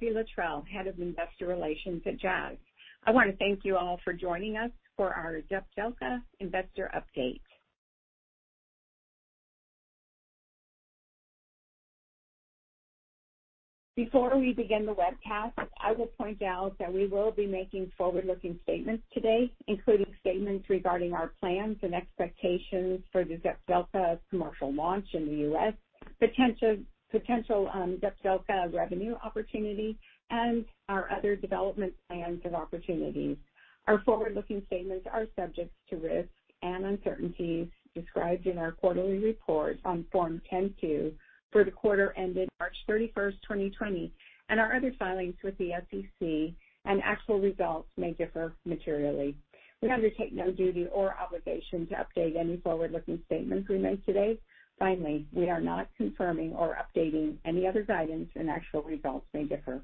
Hi, this is Kathee Littrell, Head of Investor Relations at Jazz. I want to thank you all for joining us for our Zepzelca Investor Update. Before we begin the webcast, I will point out that we will be making forward-looking statements today, including statements regarding our plans and expectations for the Zepzelca commercial launch in the U.S., potential Zepzelca revenue opportunity, and our other development plans and opportunities. Our forward-looking statements are subject to risk and uncertainties described in our quarterly report on Form 10-Q for the quarter ended March 31st, 2020, and our other filings with the SEC, and actual results may differ materially. We undertake no duty or obligation to update any forward-looking statements we make today. Finally, we are not confirming or updating any other guidance, and actual results may differ.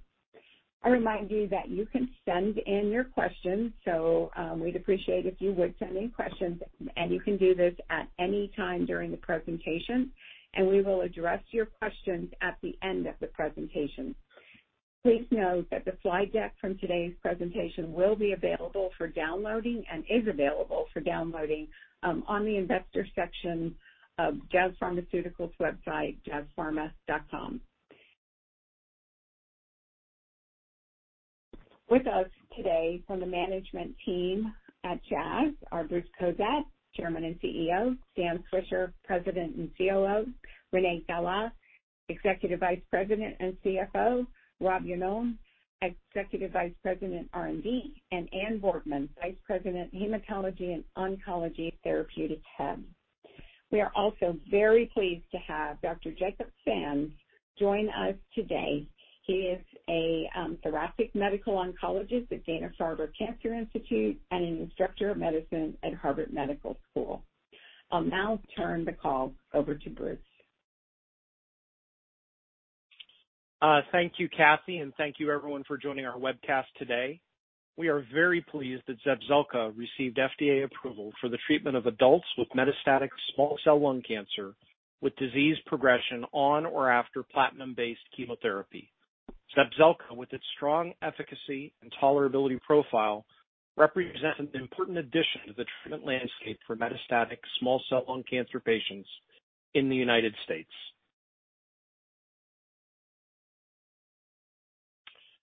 I remind you that you can send in your questions, so we'd appreciate it if you would send in questions, and you can do this at any time during the presentation, and we will address your questions at the end of the presentation. Please note that the slide deck from today's presentation will be available for downloading and is available for downloading on the Investor section of Jazz Pharmaceuticals' website, jazzpharma.com. With us today from the management team at Jazz are Bruce Cozadd, Chairman and CEO, Dan Swisher, President and COO, Renee Gala, Executive Vice President and CFO, Rob Iannone, Executive Vice President, R&D, and Anne Boardman, Vice President, Hematology and Oncology Therapeutic Head. We are also very pleased to have Dr. Jacob Sands join us today. He is a thoracic medical oncologist at Dana-Farber Cancer Institute and an instructor of medicine at Harvard Medical School. I'll now turn the call over to Bruce. Thank you, Kathee, and thank you, everyone, for joining our webcast today. We are very pleased that Zepzelca received FDA approval for the treatment of adults with metastatic small cell lung cancer with disease progression on or after platinum-based chemotherapy. Zepzelca, with its strong efficacy and tolerability profile, represents an important addition to the treatment landscape for metastatic small cell lung cancer patients in the United States.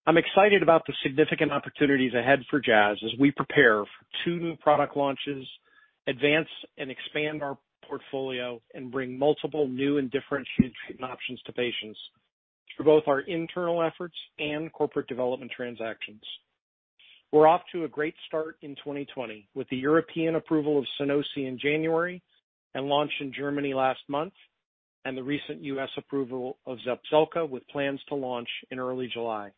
I'm excited about the significant opportunities ahead for Jazz as we prepare for two new product launches, advance and expand our portfolio, and bring multiple new and differentiated treatment options to patients through both our internal efforts and corporate development transactions. We're off to a great start in 2020 with the European approval of Sunosi in January and launch in Germany last month, and the recent U.S. approval of Zepzelca with plans to launch in early July.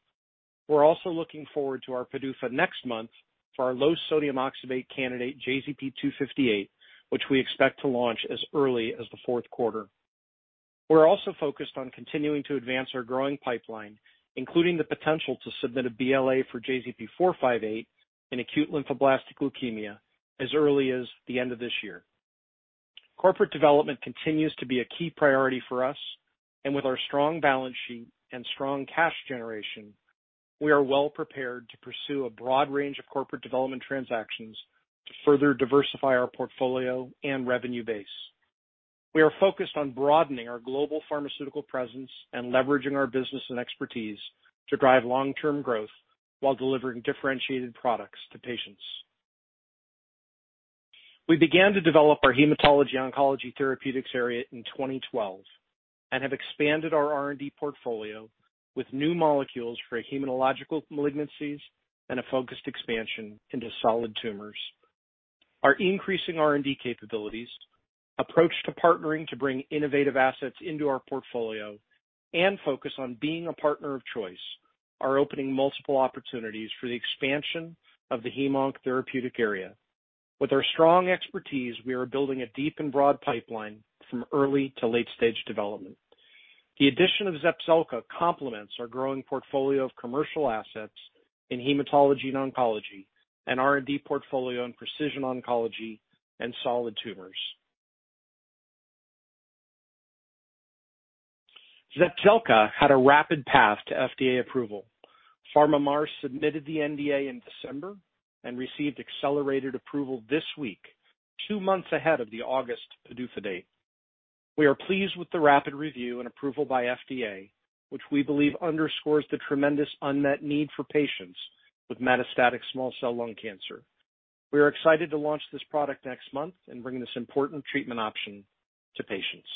We're also looking forward to our PDUFA next month for our low sodium oxybate candidate, JZP258, which we expect to launch as early as the fourth quarter. We're also focused on continuing to advance our growing pipeline, including the potential to submit a BLA for JZP458 in acute lymphoblastic leukemia as early as the end of this year. Corporate development continues to be a key priority for us, and with our strong balance sheet and strong cash generation, we are well prepared to pursue a broad range of corporate development transactions to further diversify our portfolio and revenue base. We are focused on broadening our global pharmaceutical presence and leveraging our business and expertise to drive long-term growth while delivering differentiated products to patients. We began to develop our hematology oncology therapeutics area in 2012 and have expanded our R&D portfolio with new molecules for hematological malignancies and a focused expansion into solid tumors. Our increasing R&D capabilities, approach to partnering to bring innovative assets into our portfolio, and focus on being a partner of choice are opening multiple opportunities for the expansion of the hem/onc therapeutic area. With our strong expertise, we are building a deep and broad pipeline from early to late-stage development. The addition of Zepzelca complements our growing portfolio of commercial assets in hematology and oncology and R&D portfolio in precision oncology and solid tumors. Zepzelca had a rapid path to FDA approval. PharmaMar submitted the NDA in December and received accelerated approval this week, two months ahead of the August PDUFA date. We are pleased with the rapid review and approval by FDA, which we believe underscores the tremendous unmet need for patients with metastatic small cell lung cancer. We are excited to launch this product next month and bring this important treatment option to patients.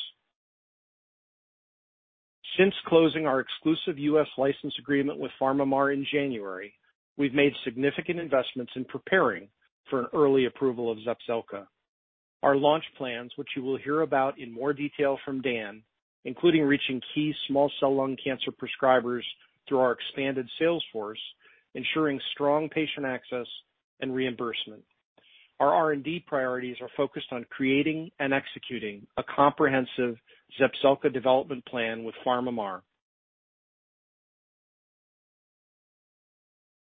Since closing our exclusive U.S. license agreement with PharmaMar in January, we've made significant investments in preparing for an early approval of Zepzelca. Our launch plans, which you will hear about in more detail from Dan, include reaching key small cell lung cancer prescribers through our expanded sales force, ensuring strong patient access and reimbursement. Our R&D priorities are focused on creating and executing a comprehensive Zepzelca development plan with PharmaMar.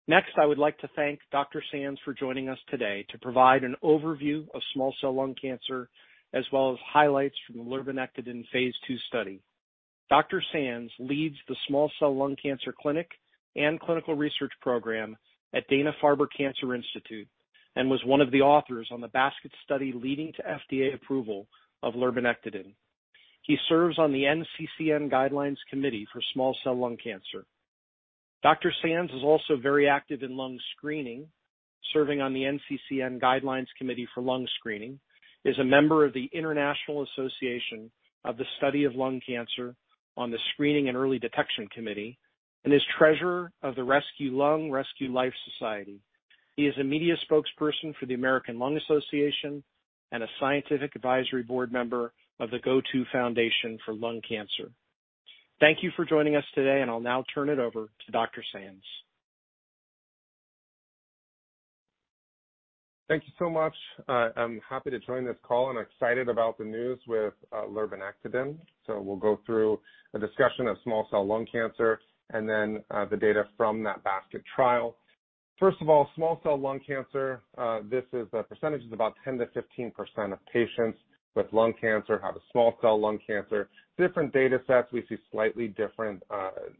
Next, I would like to thank Dr. Sands for joining us today to provide an overview of small cell lung cancer, as well as highlights from the lurbinectedin phase two study. Dr. Sands leads the small cell lung cancer clinic and clinical research program at Dana-Farber Cancer Institute and was one of the authors on the basket study leading to FDA approval of lurbinectedin. He serves on the NCCN Guidelines Committee for small cell lung cancer. Dr. Sands is also very active in lung screening, serving on the NCCN Guidelines Committee for lung screening, is a member of the International Association for the Study of Lung Cancer on the Screening and Early Detection Committee, and is treasurer of the Rescue Lung Rescue Life Society. He is a media spokesperson for the American Lung Association and a scientific advisory board member of the GO2 Foundation for Lung Cancer. Thank you for joining us today, and I'll now turn it over to Dr. Sands. Thank you so much. I'm happy to join this call, and I'm excited about the news with lurbinectedin. So we'll go through a discussion of small cell lung cancer and then the data from that basket trial. First of all, small cell lung cancer, this is the percentage about 10%-15% of patients with lung cancer have small cell lung cancer. Different data sets, we see slightly different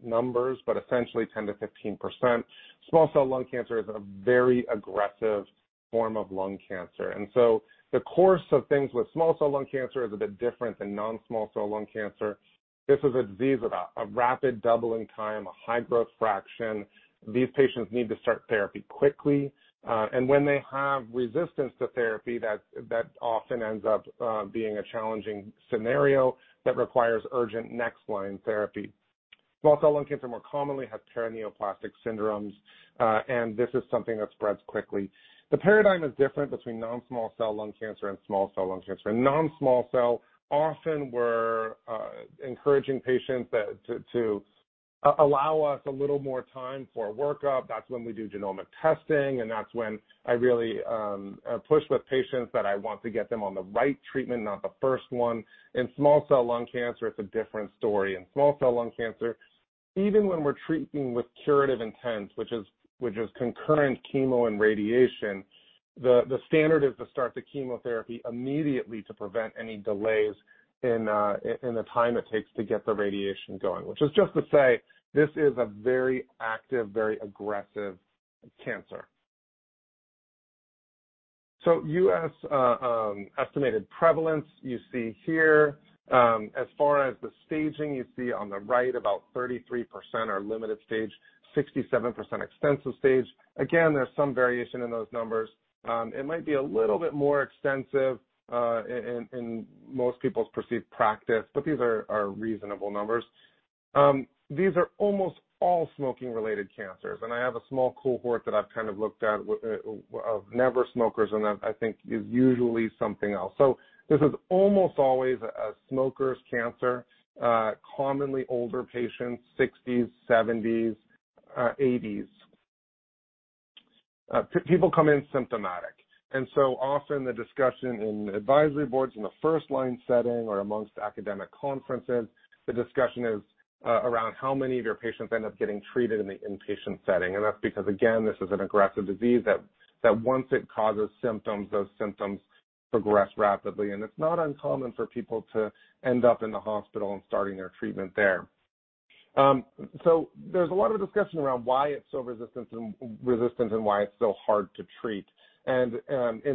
numbers, but essentially 10%-15%. Small cell lung cancer is a very aggressive form of lung cancer, and so the course of things with small cell lung cancer is a bit different than non-small cell lung cancer. This is a disease with a rapid doubling time, a high growth fraction. These patients need to start therapy quickly, and when they have resistance to therapy, that often ends up being a challenging scenario that requires urgent next-line therapy. Small cell lung cancer, more commonly, has paraneoplastic syndromes, and this is something that spreads quickly. The paradigm is different between non-small cell lung cancer and small cell lung cancer. In non-small cell, often we're encouraging patients to allow us a little more time for a workup. That's when we do genomic testing, and that's when I really push with patients that I want to get them on the right treatment, not the first one. In small cell lung cancer, it's a different story. In small cell lung cancer, even when we're treating with curative intent, which is concurrent chemo and radiation, the standard is to start the chemotherapy immediately to prevent any delays in the time it takes to get the radiation going, which is just to say this is a very active, very aggressive cancer. So U.S. estimated prevalence you see here. As far as the staging, you see on the right about 33% are limited stage, 67% extensive stage. Again, there's some variation in those numbers. It might be a little bit more extensive in most people's perceived practice, but these are reasonable numbers. These are almost all smoking-related cancers, and I have a small cohort that I've kind of looked at of never smokers, and that I think is usually something else. So this is almost always a smoker's cancer, commonly older patients, 60s, 70s, 80s. People come in symptomatic, and so often the discussion in advisory boards in the first-line setting or amongst academic conferences, the discussion is around how many of your patients end up getting treated in the inpatient setting. That's because, again, this is an aggressive disease that once it causes symptoms, those symptoms progress rapidly, and it's not uncommon for people to end up in the hospital and starting their treatment there. There's a lot of discussion around why it's so resistant and why it's so hard to treat. In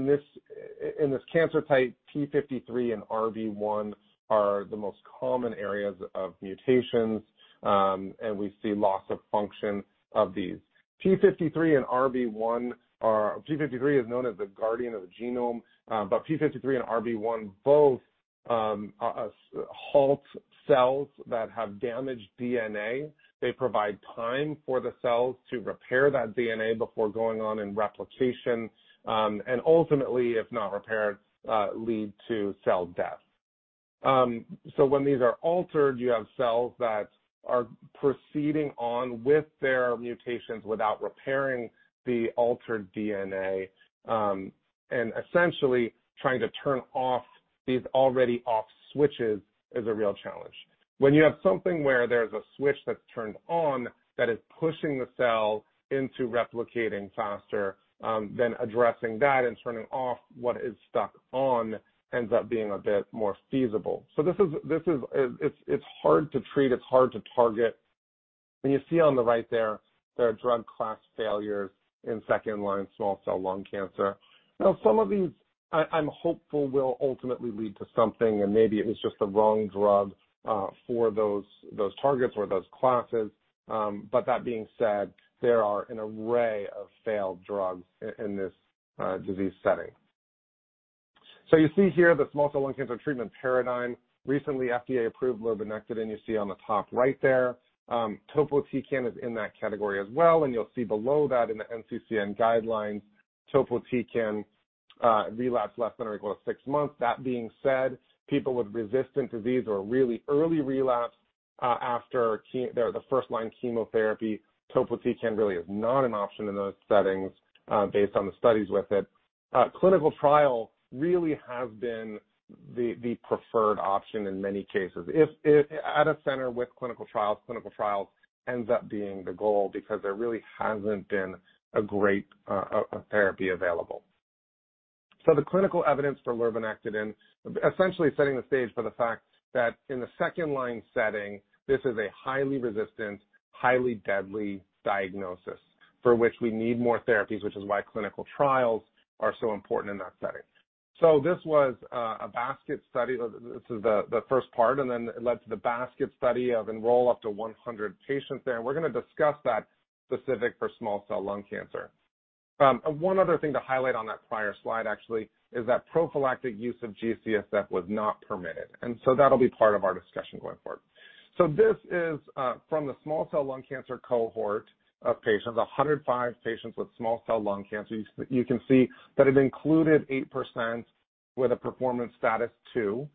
this cancer type, P53 and RB1 are the most common areas of mutations, and we see loss of function of these. P53 and RB1 are. P53 is known as the guardian of the genome, but P53 and RB1 both halt cells that have damaged DNA. They provide time for the cells to repair that DNA before going on in replication and ultimately, if not repaired, lead to cell death. So when these are altered, you have cells that are proceeding on with their mutations without repairing the altered DNA, and essentially trying to turn off these already off switches is a real challenge. When you have something where there's a switch that's turned on that is pushing the cell into replicating faster, then addressing that and turning off what is stuck on ends up being a bit more feasible. So this is. It's hard to treat. It's hard to target. And you see on the right, there are drug class failures in second-line small cell lung cancer. Now, some of these I'm hopeful will ultimately lead to something, and maybe it was just the wrong drug for those targets or those classes. But that being said, there are an array of failed drugs in this disease setting. So you see here the small cell lung cancer treatment paradigm. Recently, FDA approved lurbinectedin. You see on the top right there, topotecan is in that category as well, and you'll see below that in the NCCN Guidelines, topotecan relapse less than or equal to six months. That being said, people with resistant disease or really early relapse after the first-line chemotherapy, topotecan really is not an option in those settings based on the studies with it. Clinical trial really has been the preferred option in many cases. At a center with clinical trials, clinical trials ends up being the goal because there really hasn't been a great therapy available. So the clinical evidence for lurbinectedin essentially setting the stage for the fact that in the second-line setting, this is a highly resistant, highly deadly diagnosis for which we need more therapies, which is why clinical trials are so important in that setting. So this was a basket study. This is the first part, and then it led to the basket study of enroll up to 100 patients there. And we're going to discuss that specific for small cell lung cancer. One other thing to highlight on that prior slide, actually, is that prophylactic use of G-CSF was not permitted, and so that'll be part of our discussion going forward. So this is from the small cell lung cancer cohort of patients, 105 patients with small cell lung cancer. You can see that it included 8% with a performance status 2.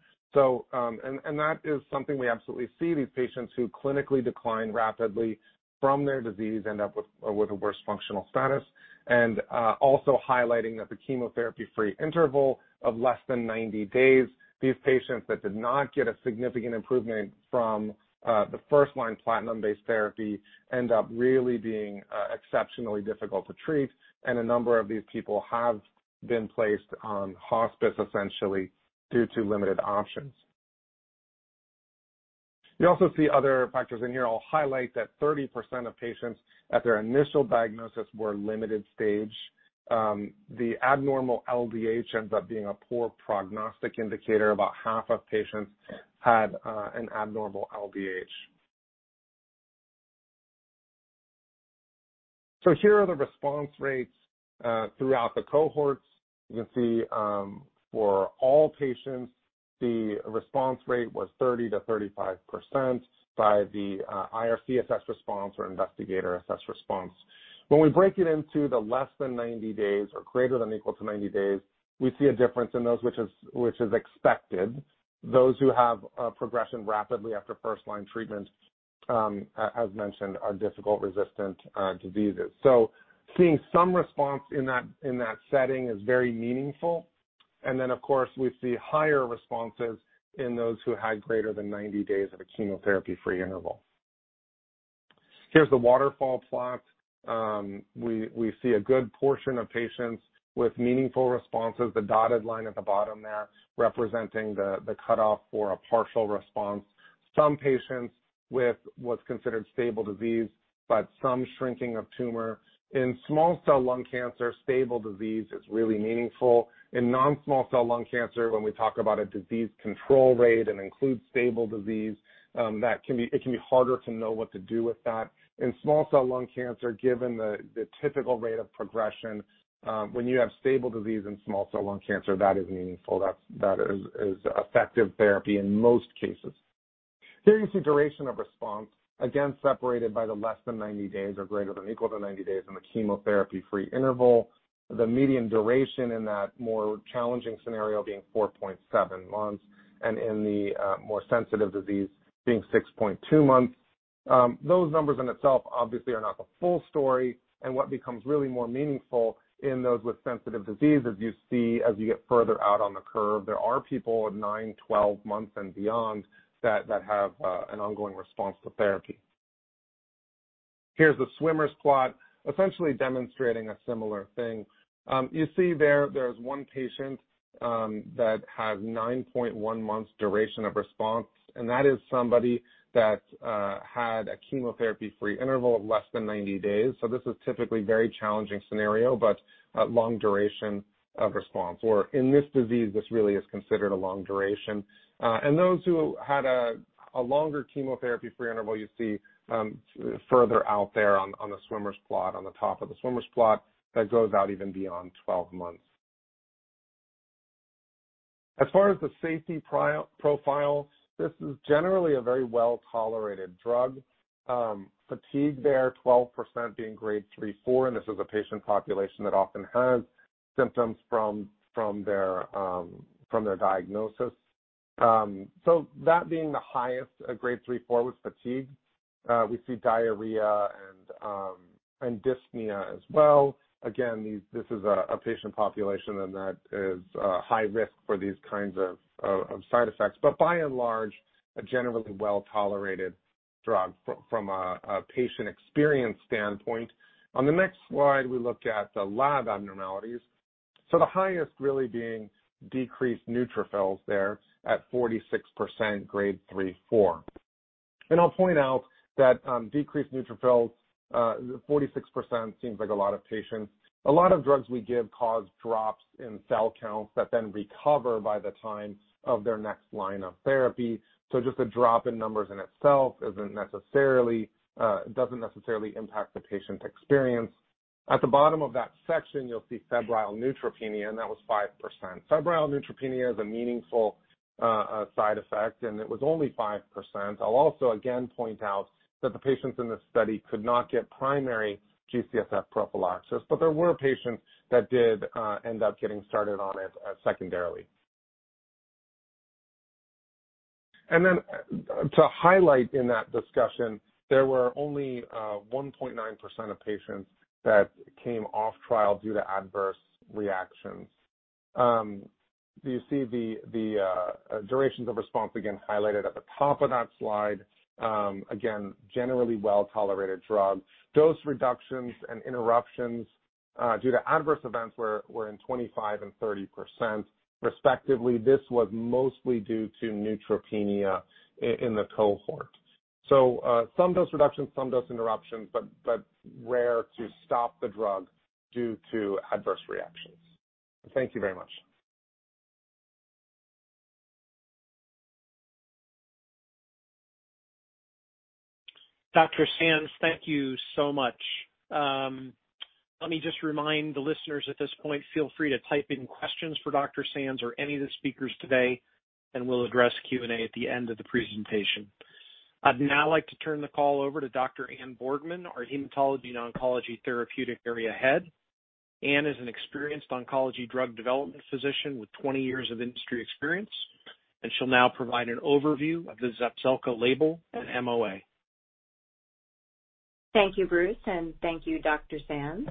And that is something we absolutely see. These patients who clinically decline rapidly from their disease end up with a worse functional status. And also highlighting that the chemotherapy-free interval of less than 90 days, these patients that did not get a significant improvement from the first-line platinum-based therapy end up really being exceptionally difficult to treat, and a number of these people have been placed on hospice essentially due to limited options. You also see other factors in here. I'll highlight that 30% of patients at their initial diagnosis were limited stage. The abnormal LDH ends up being a poor prognostic indicator. About half of patients had an abnormal LDH. So here are the response rates throughout the cohorts. You can see for all patients, the response rate was 30%-35% by the IRC assessed response or investigator assessed response. When we break it into the less than 90 days or greater than or equal to 90 days, we see a difference in those which is expected. Those who have progression rapidly after first-line treatment, as mentioned, are difficult resistant diseases, so seeing some response in that setting is very meaningful, and then, of course, we see higher responses in those who had greater than 90 days of a chemotherapy-free interval. Here's the waterfall plot. We see a good portion of patients with meaningful responses, the dotted line at the bottom there representing the cutoff for a partial response. Some patients with what's considered stable disease, but some shrinking of tumor. In small cell lung cancer, stable disease is really meaningful. In non-small cell lung cancer, when we talk about a disease control rate and include stable disease, it can be harder to know what to do with that. In small cell lung cancer, given the typical rate of progression, when you have stable disease in small cell lung cancer, that is meaningful. That is effective therapy in most cases. Here you see duration of response, again separated by the less than 90 days or greater than or equal to 90 days in the chemotherapy-free interval. The median duration in that more challenging scenario being 4.7 months, and in the more sensitive disease being 6.2 months. Those numbers in itself obviously are not the full story. And what becomes really more meaningful in those with sensitive disease is you see as you get further out on the curve, there are people at 9, 12 months and beyond that have an ongoing response to therapy. Here's the swimmers plot, essentially demonstrating a similar thing. You see there there's one patient that has 9.1 months duration of response, and that is somebody that had a chemotherapy-free interval of less than 90 days. So this is typically a very challenging scenario, but a long duration of response. Or in this disease, this really is considered a long duration. And those who had a longer chemotherapy-free interval, you see further out there on the swimmers plot, on the top of the swimmers plot, that goes out even beyond 12 months. As far as the safety profile, this is generally a very well-tolerated drug. Fatigue there, 12% being grade 3, 4, and this is a patient population that often has symptoms from their diagnosis. So that being the highest, grade 3, 4 was fatigue. We see diarrhea and dyspnea as well. Again, this is a patient population and that is high risk for these kinds of side effects. But by and large, a generally well-tolerated drug from a patient experience standpoint. On the next slide, we look at the lab abnormalities. So the highest really being decreased neutrophils there at 46%, grade 3, 4. And I'll point out that decreased neutrophils, 46% seems like a lot of patients. A lot of drugs we give cause drops in cell counts that then recover by the time of their next line of therapy. So just a drop in numbers in itself doesn't necessarily impact the patient experience. At the bottom of that section, you'll see febrile neutropenia, and that was 5%. Febrile neutropenia is a meaningful side effect, and it was only 5%. I'll also again point out that the patients in this study could not get primary G-CSF prophylaxis, but there were patients that did end up getting started on it secondarily. And then to highlight in that discussion, there were only 1.9% of patients that came off trial due to adverse reactions. You see the durations of response again highlighted at the top of that slide. Again, generally well-tolerated drug. Dose reductions and interruptions due to adverse events were in 25% and 30%, respectively. This was mostly due to neutropenia in the cohort. So some dose reductions, some dose interruptions, but rare to stop the drug due to adverse reactions. Thank you very much. Dr. Sands, thank you so much. Let me just remind the listeners at this point, feel free to type in questions for Dr. Sands or any of the speakers today, and we'll address Q&A at the end of the presentation. I'd now like to turn the call over to Dr. Anne Boardman, our Hematology & Oncology Therapeutic Area Head. Anne is an experienced oncology drug development physician with 20 years of industry experience, and she'll now provide an overview of the Zepzelca label and MOA. Thank you, Bruce, and thank you, Dr. Sands.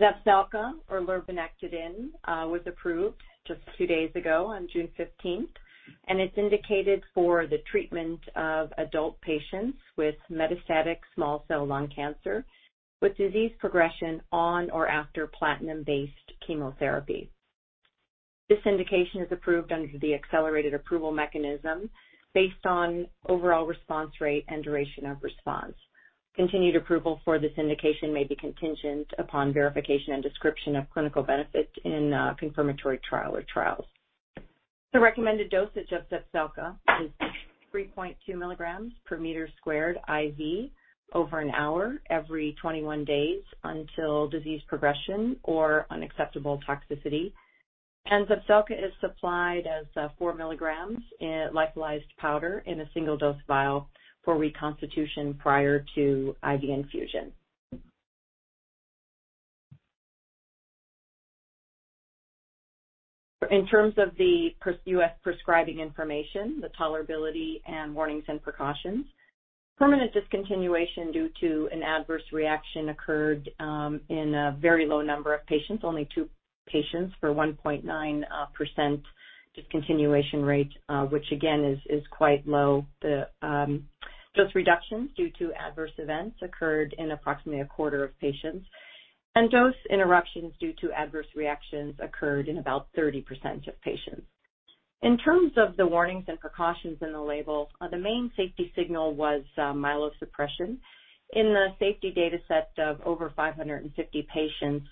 Zepzelca, or lurbinectedin, was approved just two days ago on June 15th, and it's indicated for the treatment of adult patients with metastatic small cell lung cancer with disease progression on or after platinum-based chemotherapy. This indication is approved under the accelerated approval mechanism based on overall response rate and duration of response. Continued approval for this indication may be contingent upon verification and description of clinical benefit in confirmatory trial or trials. The recommended dosage of Zepzelca is 3.2 milligrams per meter squared IV over an hour every 21 days until disease progression or unacceptable toxicity. Zepzelca is supplied as four milligrams in lyophilized powder in a single dose vial for reconstitution prior to IV infusion. In terms of the U.S. prescribing information, the tolerability and warnings and precautions, permanent discontinuation due to an adverse reaction occurred in a very low number of patients, only two patients for 1.9% discontinuation rate, which again is quite low. Dose reductions due to adverse events occurred in approximately a quarter of patients, and dose interruptions due to adverse reactions occurred in about 30% of patients. In terms of the warnings and precautions in the label, the main safety signal was myelosuppression. In the safety data set of over 550 patients,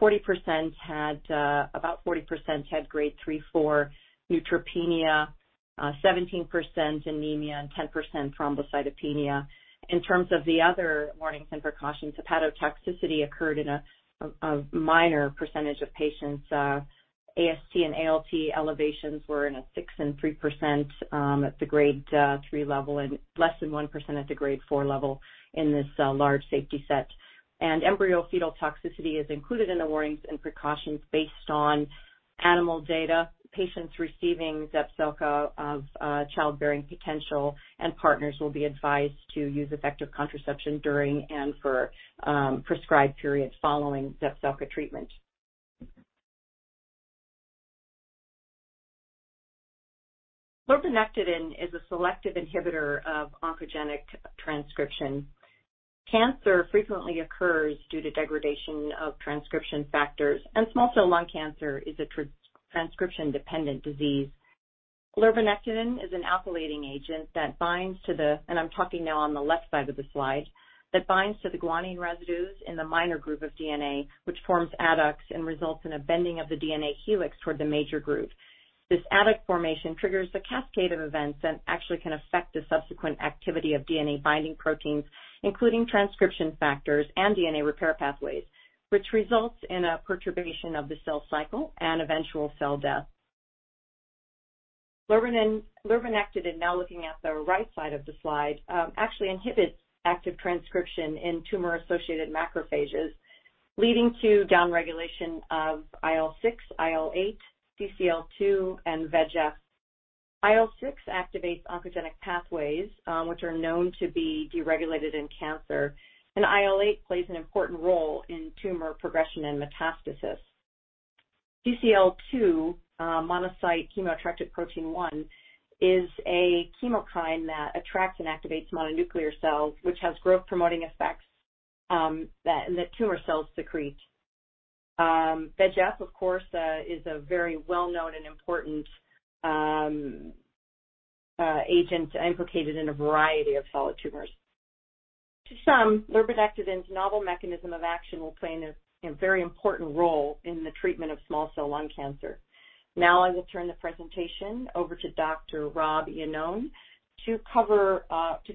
40% had grade 3, 4 neutropenia, 17% anemia, and 10% thrombocytopenia. In terms of the other warnings and precautions, hepatotoxicity occurred in a minor percentage of patients. AST and ALT elevations were in a 6% and 3% at the grade 3 level and less than 1% at the grade 4 level in this large safety set. Embryo-fetal toxicity is included in the warnings and precautions based on animal data. Patients receiving Zepzelca of childbearing potential and partners will be advised to use effective contraception during and for prescribed periods following Zepzelca treatment. Lurbinectidine is a selective inhibitor of oncogenic transcription. Cancer frequently occurs due to degradation of transcription factors, and small cell lung cancer is a transcription-dependent disease. Lurbinectidine is an alkylating agent that binds to the—and I'm talking now on the left side of the slide—that binds to the guanine residues in the minor groove of DNA, which forms adducts and results in a bending of the DNA helix toward the major groove. This adduct formation triggers a cascade of events that actually can affect the subsequent activity of DNA-binding proteins, including transcription factors and DNA repair pathways, which results in a perturbation of the cell cycle and eventual cell death. Lurbinectidine, now looking at the right side of the slide, actually inhibits active transcription in tumor-associated macrophages, leading to downregulation of IL-6, IL-8, CCL2, and VEGF. IL-6 activates oncogenic pathways, which are known to be deregulated in cancer, and IL-8 plays an important role in tumor progression and metastasis. CCL2, monocyte chemoattractant protein 1, is a chemokine that attracts and activates mononuclear cells, which has growth-promoting effects that tumor cells secrete. VEGF, of course, is a very well-known and important agent implicated in a variety of solid tumors. To sum, lurbinectedin's novel mechanism of action will play a very important role in the treatment of small cell lung cancer. Now I will turn the presentation over to Dr. Rob Iannone to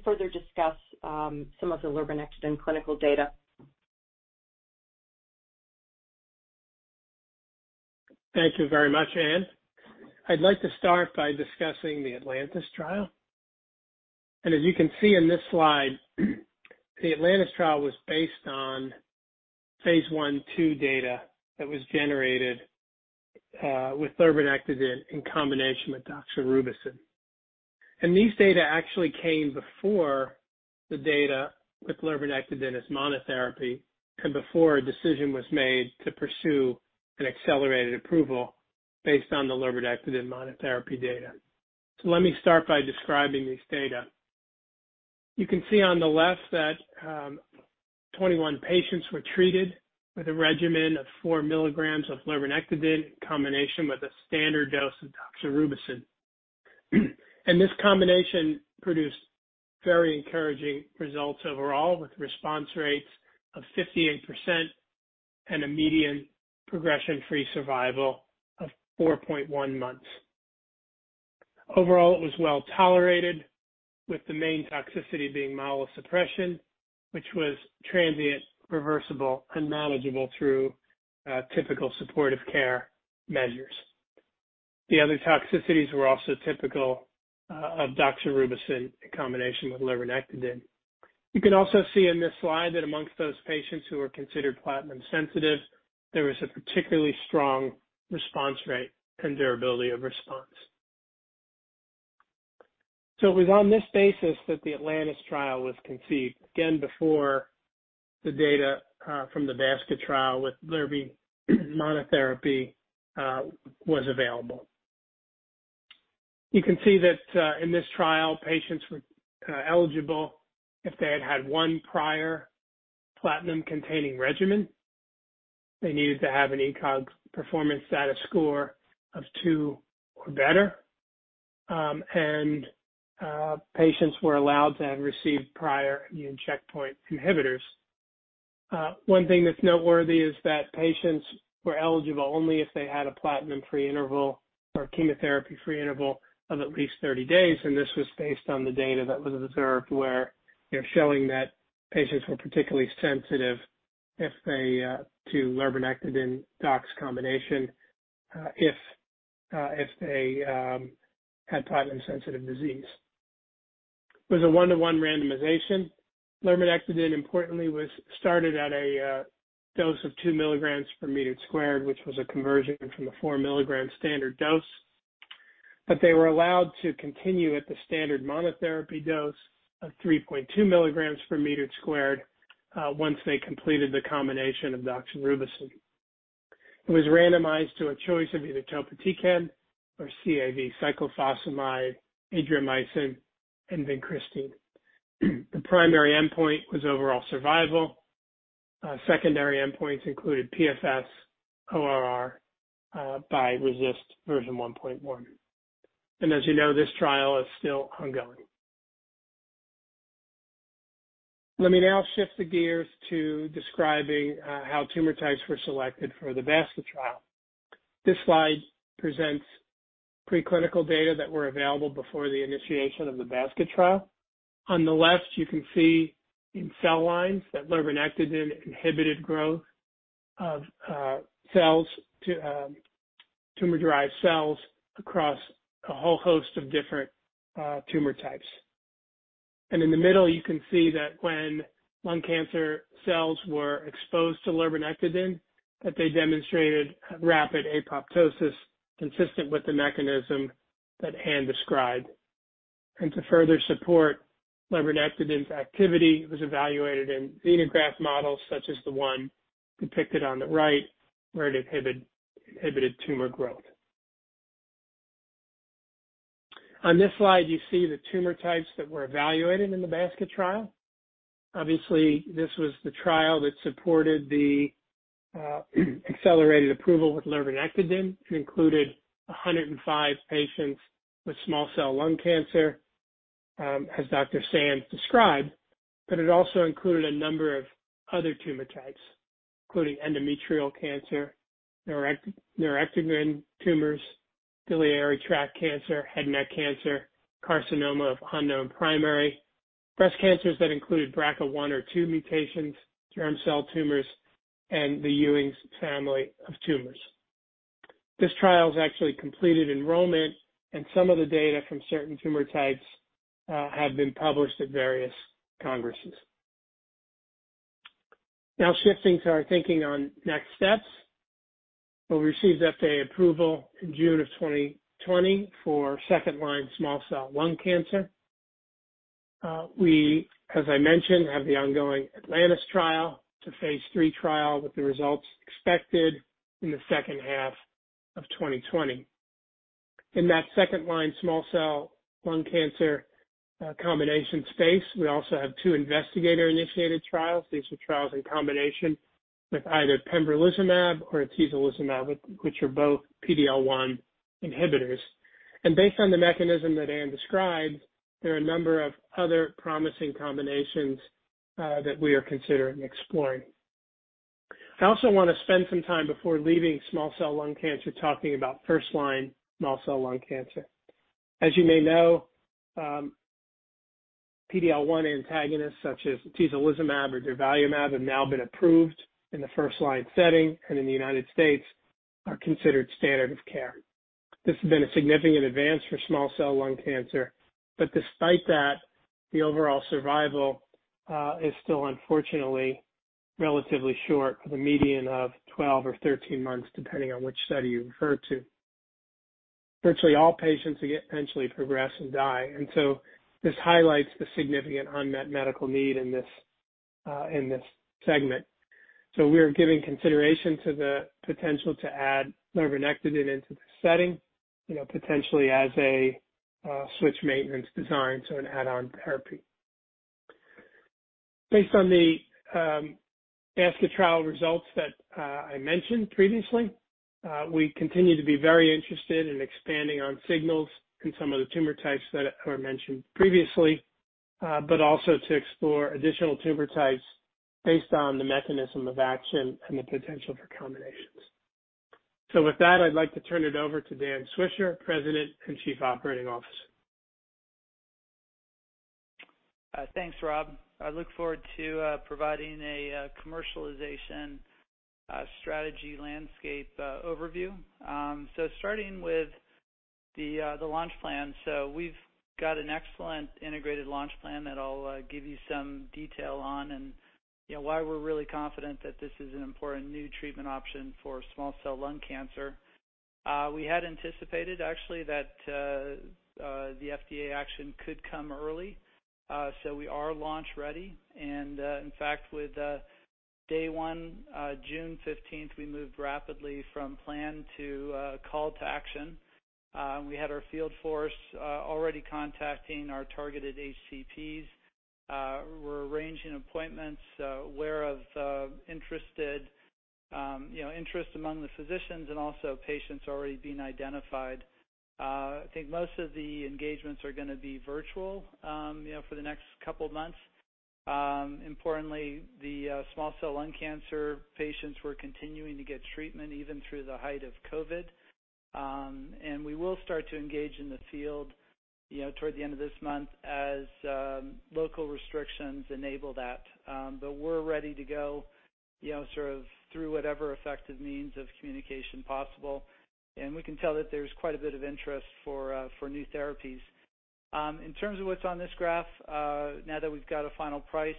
further discuss some of the lurbinectidine clinical data. Thank you very much, Anne. I'd like to start by discussing the Atlantis trial. As you can see in this slide, the Atlantis trial was based on phase 1, 2 data that was generated with lurbinectidine in combination with doxorubicin. These data actually came before the data with lurbinectidine as monotherapy and before a decision was made to pursue an accelerated approval based on the lurbinectidine monotherapy data. Let me start by describing these data. You can see on the left that 21 patients were treated with a regimen of four milligrams of lurbinectidine in combination with a standard dose of doxorubicin. This combination produced very encouraging results overall with response rates of 58% and a median progression-free survival of 4.1 months. Overall, it was well-tolerated, with the main toxicity being myelosuppression, which was transient, reversible, and manageable through typical supportive care measures. The other toxicities were also typical of doxorubicin in combination with lurbinectidine. You can also see in this slide that amongst those patients who were considered platinum-sensitive, there was a particularly strong response rate and durability of response. It was on this basis that the Atlantis trial was conceived, again before the data from the basket trial with lurbinectedin monotherapy was available. You can see that in this trial, patients were eligible if they had had one prior platinum-containing regimen. They needed to have an ECOG performance status score of two or better, and patients were allowed to have received prior immune checkpoint inhibitors. One thing that's noteworthy is that patients were eligible only if they had a platinum-free interval or chemotherapy-free interval of at least 30 days, and this was based on the data that was observed where they're showing that patients were particularly sensitive to lurbinectidine-dox combination if they had platinum-sensitive disease. It was a one-to-one randomization. Lurbinectidine, importantly, was started at a dose of 2 milligrams per meter squared, which was a conversion from the 4 milligram standard dose. But they were allowed to continue at the standard monotherapy dose of 3.2 milligrams per meter squared once they completed the combination of doxorubicin. It was randomized to a choice of either topotecan or CAV, cyclophosphamide, Adriamycin, and vincristine. The primary endpoint was overall survival. Secondary endpoints included PFS, ORR, RECIST, version 1.1, and as you know, this trial is still ongoing. Let me now shift the gears to describing how tumor types were selected for the basket trial. This slide presents preclinical data that were available before the initiation of the basket trial. On the left, you can see in cell lines that lurbinectidine inhibited growth of tumor-derived cells across a whole host of different tumor types. And in the middle, you can see that when lung cancer cells were exposed to lurbinectidine, that they demonstrated rapid apoptosis consistent with the mechanism that Anne described. And to further support lurbinectidine's activity, it was evaluated in xenograft models such as the one depicted on the right, where it inhibited tumor growth. On this slide, you see the tumor types that were evaluated in the basket trial. Obviously, this was the trial that supported the accelerated approval with lurbinectidine and included 105 patients with small cell lung cancer, as Dr. Sands described, but it also included a number of other tumor types, including endometrial cancer, neuroendocrine tumors, biliary tract cancer, head and neck cancer, carcinoma of unknown primary, breast cancers that included BRCA1 or BRCA2 mutations, germ cell tumors, and the Ewing's family of tumors. This trial has actually completed enrollment, and some of the data from certain tumor types have been published at various congresses. Now shifting to our thinking on next steps, we'll receive FDA approval in June of 2020 for second-line small cell lung cancer. We, as I mentioned, have the ongoing Atlantis trial, a phase 3 trial with the results expected in the second half of 2020. In that second-line small cell lung cancer combination space, we also have two investigator-initiated trials. These are trials in combination with either pembrolizumab or atezolizumab, which are both PD-L1 inhibitors. Based on the mechanism that Anne described, there are a number of other promising combinations that we are considering exploring. I also want to spend some time before leaving small cell lung cancer talking about first-line small cell lung cancer. As you may know, PD-L1 antagonists such as atezolizumab or durvalumab have now been approved in the first-line setting, and in the United States are considered standard of care. This has been a significant advance for small cell lung cancer, but despite that, the overall survival is still unfortunately relatively short, with a median of 12 or 13 months depending on which study you refer to. Virtually all patients eventually progress and die, and so this highlights the significant unmet medical need in this segment. We're giving consideration to the potential to add lurbinectidine into the setting, potentially as a switch maintenance design, so an add-on therapy. Based on the basket trial results that I mentioned previously, we continue to be very interested in expanding on signals in some of the tumor types that were mentioned previously, but also to explore additional tumor types based on the mechanism of action and the potential for combinations. So with that, I'd like to turn it over to Dan Swisher, President and Chief Operating Officer. Thanks, Rob. I look forward to providing a commercialization strategy landscape overview. So starting with the launch plan, so we've got an excellent integrated launch plan that I'll give you some detail on and why we're really confident that this is an important new treatment option for small cell lung cancer. We had anticipated, actually, that the FDA action could come early, so we are launch ready, and in fact, with day one, June 15th, we moved rapidly from plan to call to action. We had our field force already contacting our targeted HCPs. We're arranging appointments, aware of interest among the physicians and also patients already being identified. I think most of the engagements are going to be virtual for the next couple of months. Importantly, the small cell lung cancer patients were continuing to get treatment even through the height of COVID. And we will start to engage in the field toward the end of this month as local restrictions enable that. But we're ready to go sort of through whatever effective means of communication possible. And we can tell that there's quite a bit of interest for new therapies. In terms of what's on this graph, now that we've got a final price,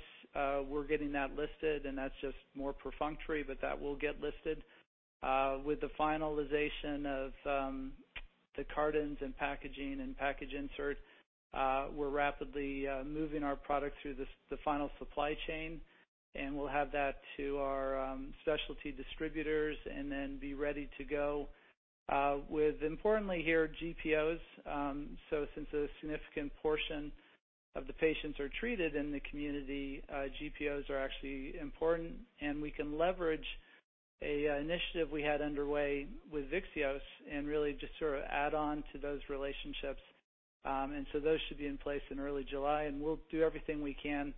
we're getting that listed, and that's just more perfunctory, but that will get listed. With the finalization of the cartons and packaging and package insert, we're rapidly moving our product through the final supply chain, and we'll have that to our specialty distributors and then be ready to go with, importantly here, GPOs. Since a significant portion of the patients are treated in the community, GPOs are actually important, and we can leverage an initiative we had underway with Syneos and really just sort of add on to those relationships. Those should be in place in early July, and we'll do everything we can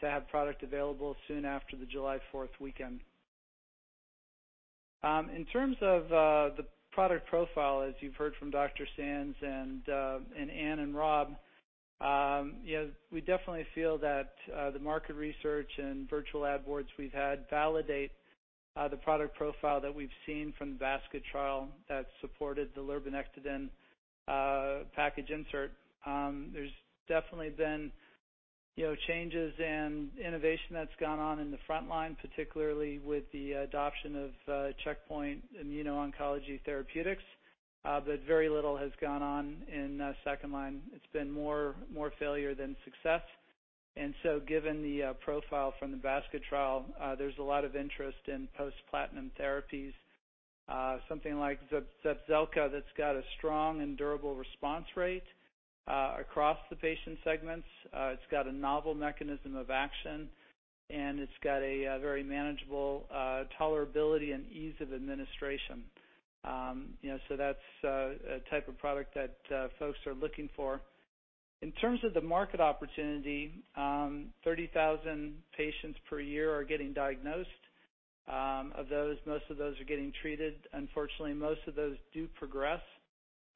to have product available soon after the July 4th weekend. In terms of the product profile, as you've heard from Dr. Sands and Ann and Rob, we definitely feel that the market research and virtual lab boards we've had validate the product profile that we've seen from the basket trial that supported the lurbinectidine package insert. There's definitely been changes and innovation that's gone on in the front line, particularly with the adoption of checkpoint immuno-oncology therapeutics, but very little has gone on in second line. It's been more failure than success, and so given the profile from the ATLANTIS trial, there's a lot of interest in post-platinum therapies, something like Zepzelca that's got a strong and durable response rate across the patient segments. It's got a novel mechanism of action, and it's got a very manageable tolerability and ease of administration. So that's a type of product that folks are looking for. In terms of the market opportunity, 30,000 patients per year are getting diagnosed. Of those, most of those are getting treated. Unfortunately, most of those do progress.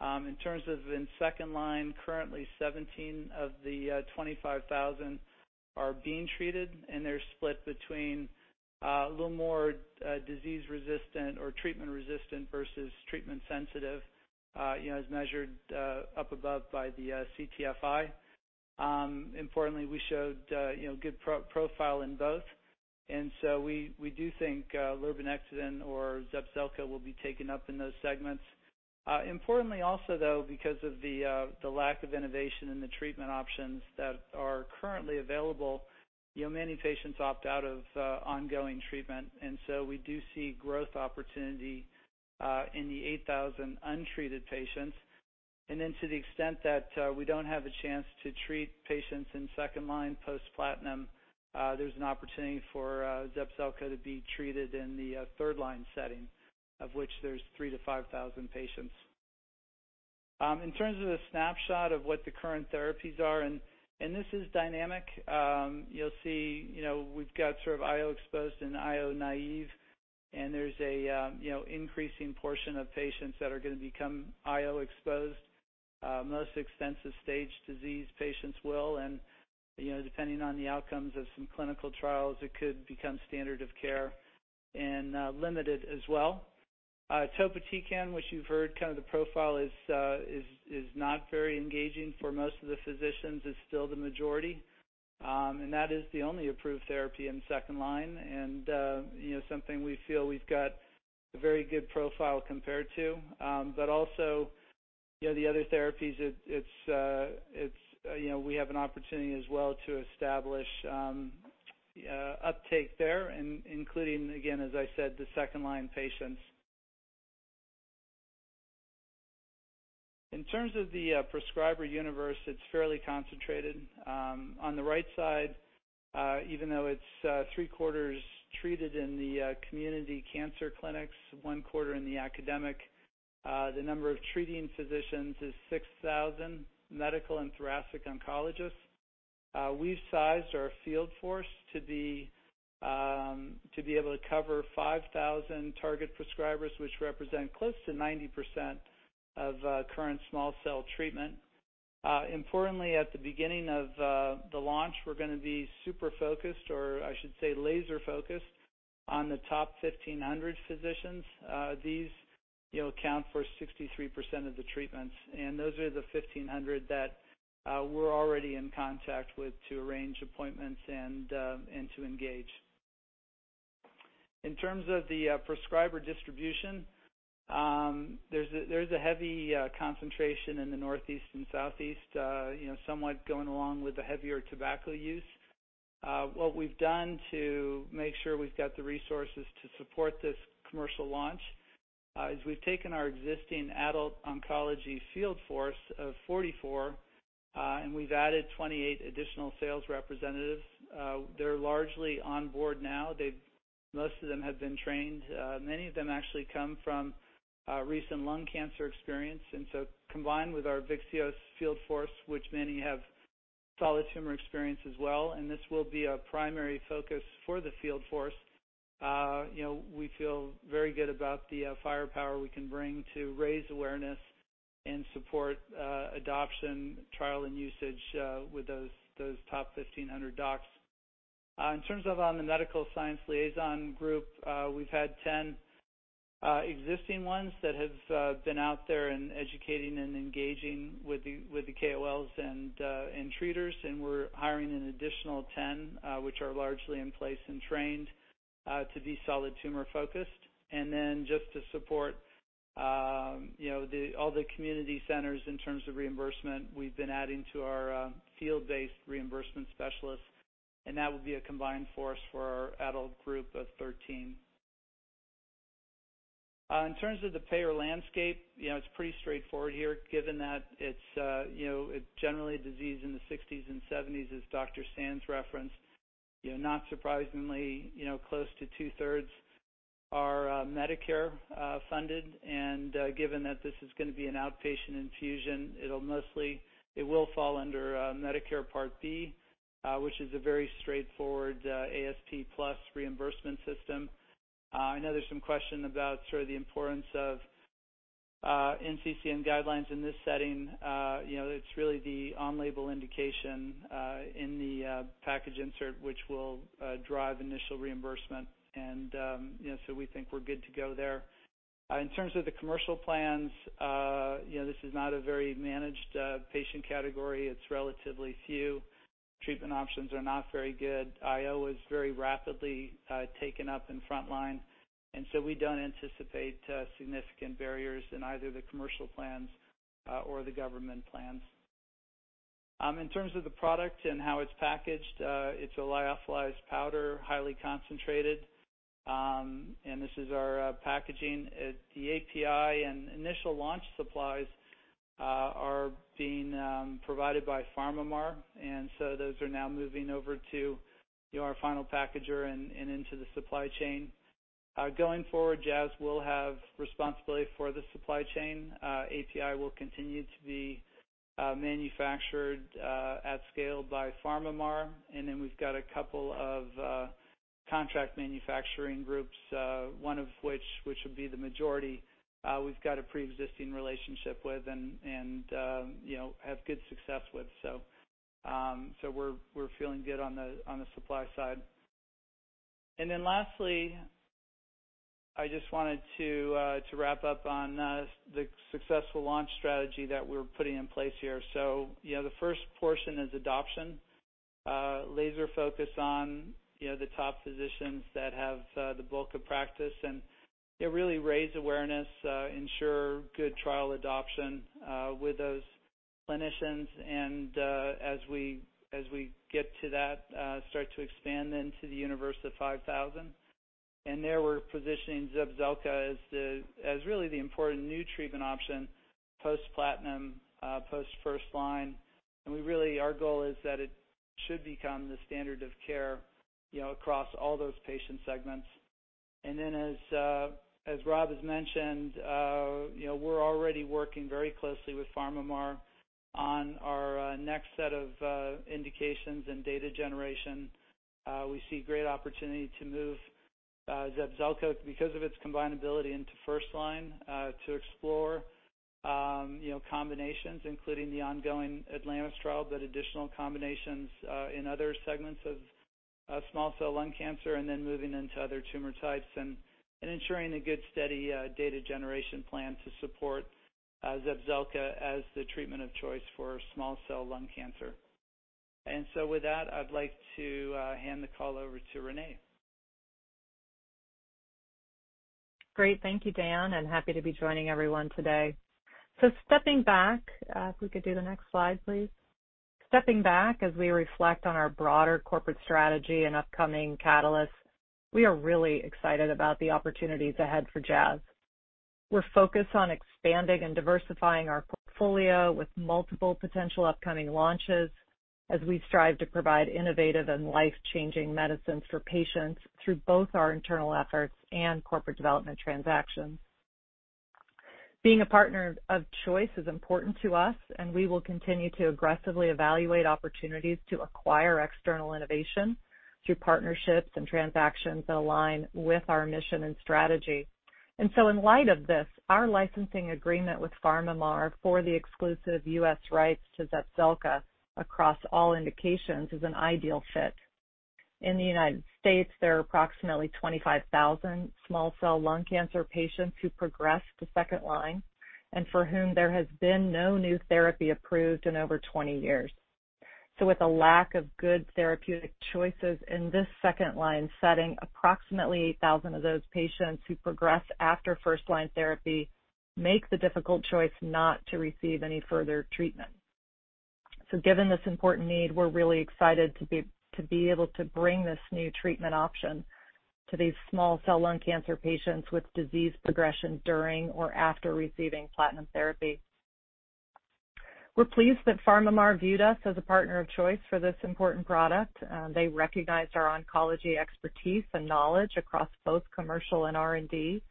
In terms of in second line, currently 17 of the 25,000 are being treated, and they're split between a little more disease-resistant or treatment-resistant versus treatment-sensitive, as measured up above by the CTFI. Importantly, we showed good profile in both. And so we do think lurbinectidine or Zepzelca will be taken up in those segments. Importantly also, though, because of the lack of innovation in the treatment options that are currently available, many patients opt out of ongoing treatment. And so we do see growth opportunity in the 8,000 untreated patients. And then to the extent that we don't have a chance to treat patients in second line post-platinum, there's an opportunity for Zepzelca to be treated in the third line setting, of which there's 3,000 to 5,000 patients. In terms of a snapshot of what the current therapies are, and this is dynamic, you'll see we've got sort of IO-exposed and IO-naive, and there's an increasing portion of patients that are going to become IO-exposed. Most extensive stage disease patients will, and depending on the outcomes of some clinical trials, it could become standard of care and limited as well. Topotecan, which you've heard, kind of the profile is not very engaging for most of the physicians. It's still the majority, and that is the only approved therapy in second line and something we feel we've got a very good profile compared to, but also, the other therapies, we have an opportunity as well to establish uptake there, including, again, as I said, the second-line patients. In terms of the prescriber universe, it's fairly concentrated. On the right side, even though it's three-quarters treated in the community cancer clinics, one-quarter in the academic, the number of treating physicians is 6,000, medical and thoracic oncologists. We've sized our field force to be able to cover 5,000 target prescribers, which represent close to 90% of current small cell treatment. Importantly, at the beginning of the launch, we're going to be super focused, or I should say laser-focused, on the top 1,500 physicians. These account for 63% of the treatments. And those are the 1,500 that we're already in contact with to arrange appointments and to engage. In terms of the prescriber distribution, there's a heavy concentration in the northeast and southeast, somewhat going along with the heavier tobacco use. What we've done to make sure we've got the resources to support this commercial launch is we've taken our existing adult oncology field force of 44, and we've added 28 additional sales representatives. They're largely on board now. Most of them have been trained. Many of them actually come from recent lung cancer experience, and so combined with our Syneos field force, which many have solid tumor experience as well, and this will be a primary focus for the field force, we feel very good about the firepower we can bring to raise awareness and support adoption, trial, and usage with those top 1,500 dox. In terms of the medical science liaison group, we've had 10 existing ones that have been out there and educating and engaging with the KOLs and treaters, and we're hiring an additional 10, which are largely in place and trained to be solid tumor focused. And then just to support all the community centers in terms of reimbursement, we've been adding to our field-based reimbursement specialists, and that will be a combined force for our adult group of 13. In terms of the payer landscape, it's pretty straightforward here. Given that it's generally disease in the 60s and 70s, as Dr. Sands referenced, not surprisingly, close to two-thirds are Medicare funded, and given that this is going to be an outpatient infusion, it will fall under Medicare Part B, which is a very straightforward ASP Plus reimbursement system. I know there's some question about sort of the importance of NCCN guidelines in this setting. It's really the on-label indication in the package insert, which will drive initial reimbursement. And so we think we're good to go there. In terms of the commercial plans, this is not a very managed patient category. It's relatively few. Treatment options are not very good. IO is very rapidly taken up in front line. And so we don't anticipate significant barriers in either the commercial plans or the government plans. In terms of the product and how it's packaged, it's a lyophilized powder, highly concentrated. And this is our packaging. The API and initial launch supplies are being provided by PharmaMar, and so those are now moving over to our final packager and into the supply chain. Going forward, Jazz will have responsibility for the supply chain. API will continue to be manufactured at scale by PharmaMar. And then we've got a couple of contract manufacturing groups, one of which would be the majority we've got a pre-existing relationship with and have good success with. So we're feeling good on the supply side. And then lastly, I just wanted to wrap up on the successful launch strategy that we're putting in place here. So the first portion is adoption, laser focus on the top physicians that have the bulk of practice, and really raise awareness, ensure good trial adoption with those clinicians. And as we get to that, start to expand into the universe of 5,000. And there we're positioning Zepzelca as really the important new treatment option post-platinum, post-first line. And our goal is that it should become the standard of care across all those patient segments. And then, as Rob has mentioned, we're already working very closely with PharmaMar on our next set of indications and data generation. We see great opportunity to move Zepzelca because of its combinability into first line to explore combinations, including the ongoing Atlantis trial, but additional combinations in other segments of small cell lung cancer, and then moving into other tumor types and ensuring a good steady data generation plan to support Zepzelca as the treatment of choice for small cell lung cancer. And so with that, I'd like to hand the call over to Renee. Great. Thank you, Dan, and happy to be joining everyone today. So stepping back, if we could do the next slide, please. Stepping back as we reflect on our broader corporate strategy and upcoming catalysts, we are really excited about the opportunities ahead for Jazz. We're focused on expanding and diversifying our portfolio with multiple potential upcoming launches as we strive to provide innovative and life-changing medicines for patients through both our internal efforts and corporate development transactions. Being a partner of choice is important to us, and we will continue to aggressively evaluate opportunities to acquire external innovation through partnerships and transactions that align with our mission and strategy, and so in light of this, our licensing agreement with PharmaMar for the exclusive U.S. rights to Zepzelca across all indications is an ideal fit. In the United States, there are approximately 25,000 small cell lung cancer patients who progress to second line and for whom there has been no new therapy approved in over 20 years. So with a lack of good therapeutic choices in this second line setting, approximately 8,000 of those patients who progress after first line therapy make the difficult choice not to receive any further treatment. So given this important need, we're really excited to be able to bring this new treatment option to these small cell lung cancer patients with disease progression during or after receiving platinum therapy. We're pleased that PharmaMar viewed us as a partner of choice for this important product. They recognized our oncology expertise and knowledge across both commercial and R&D,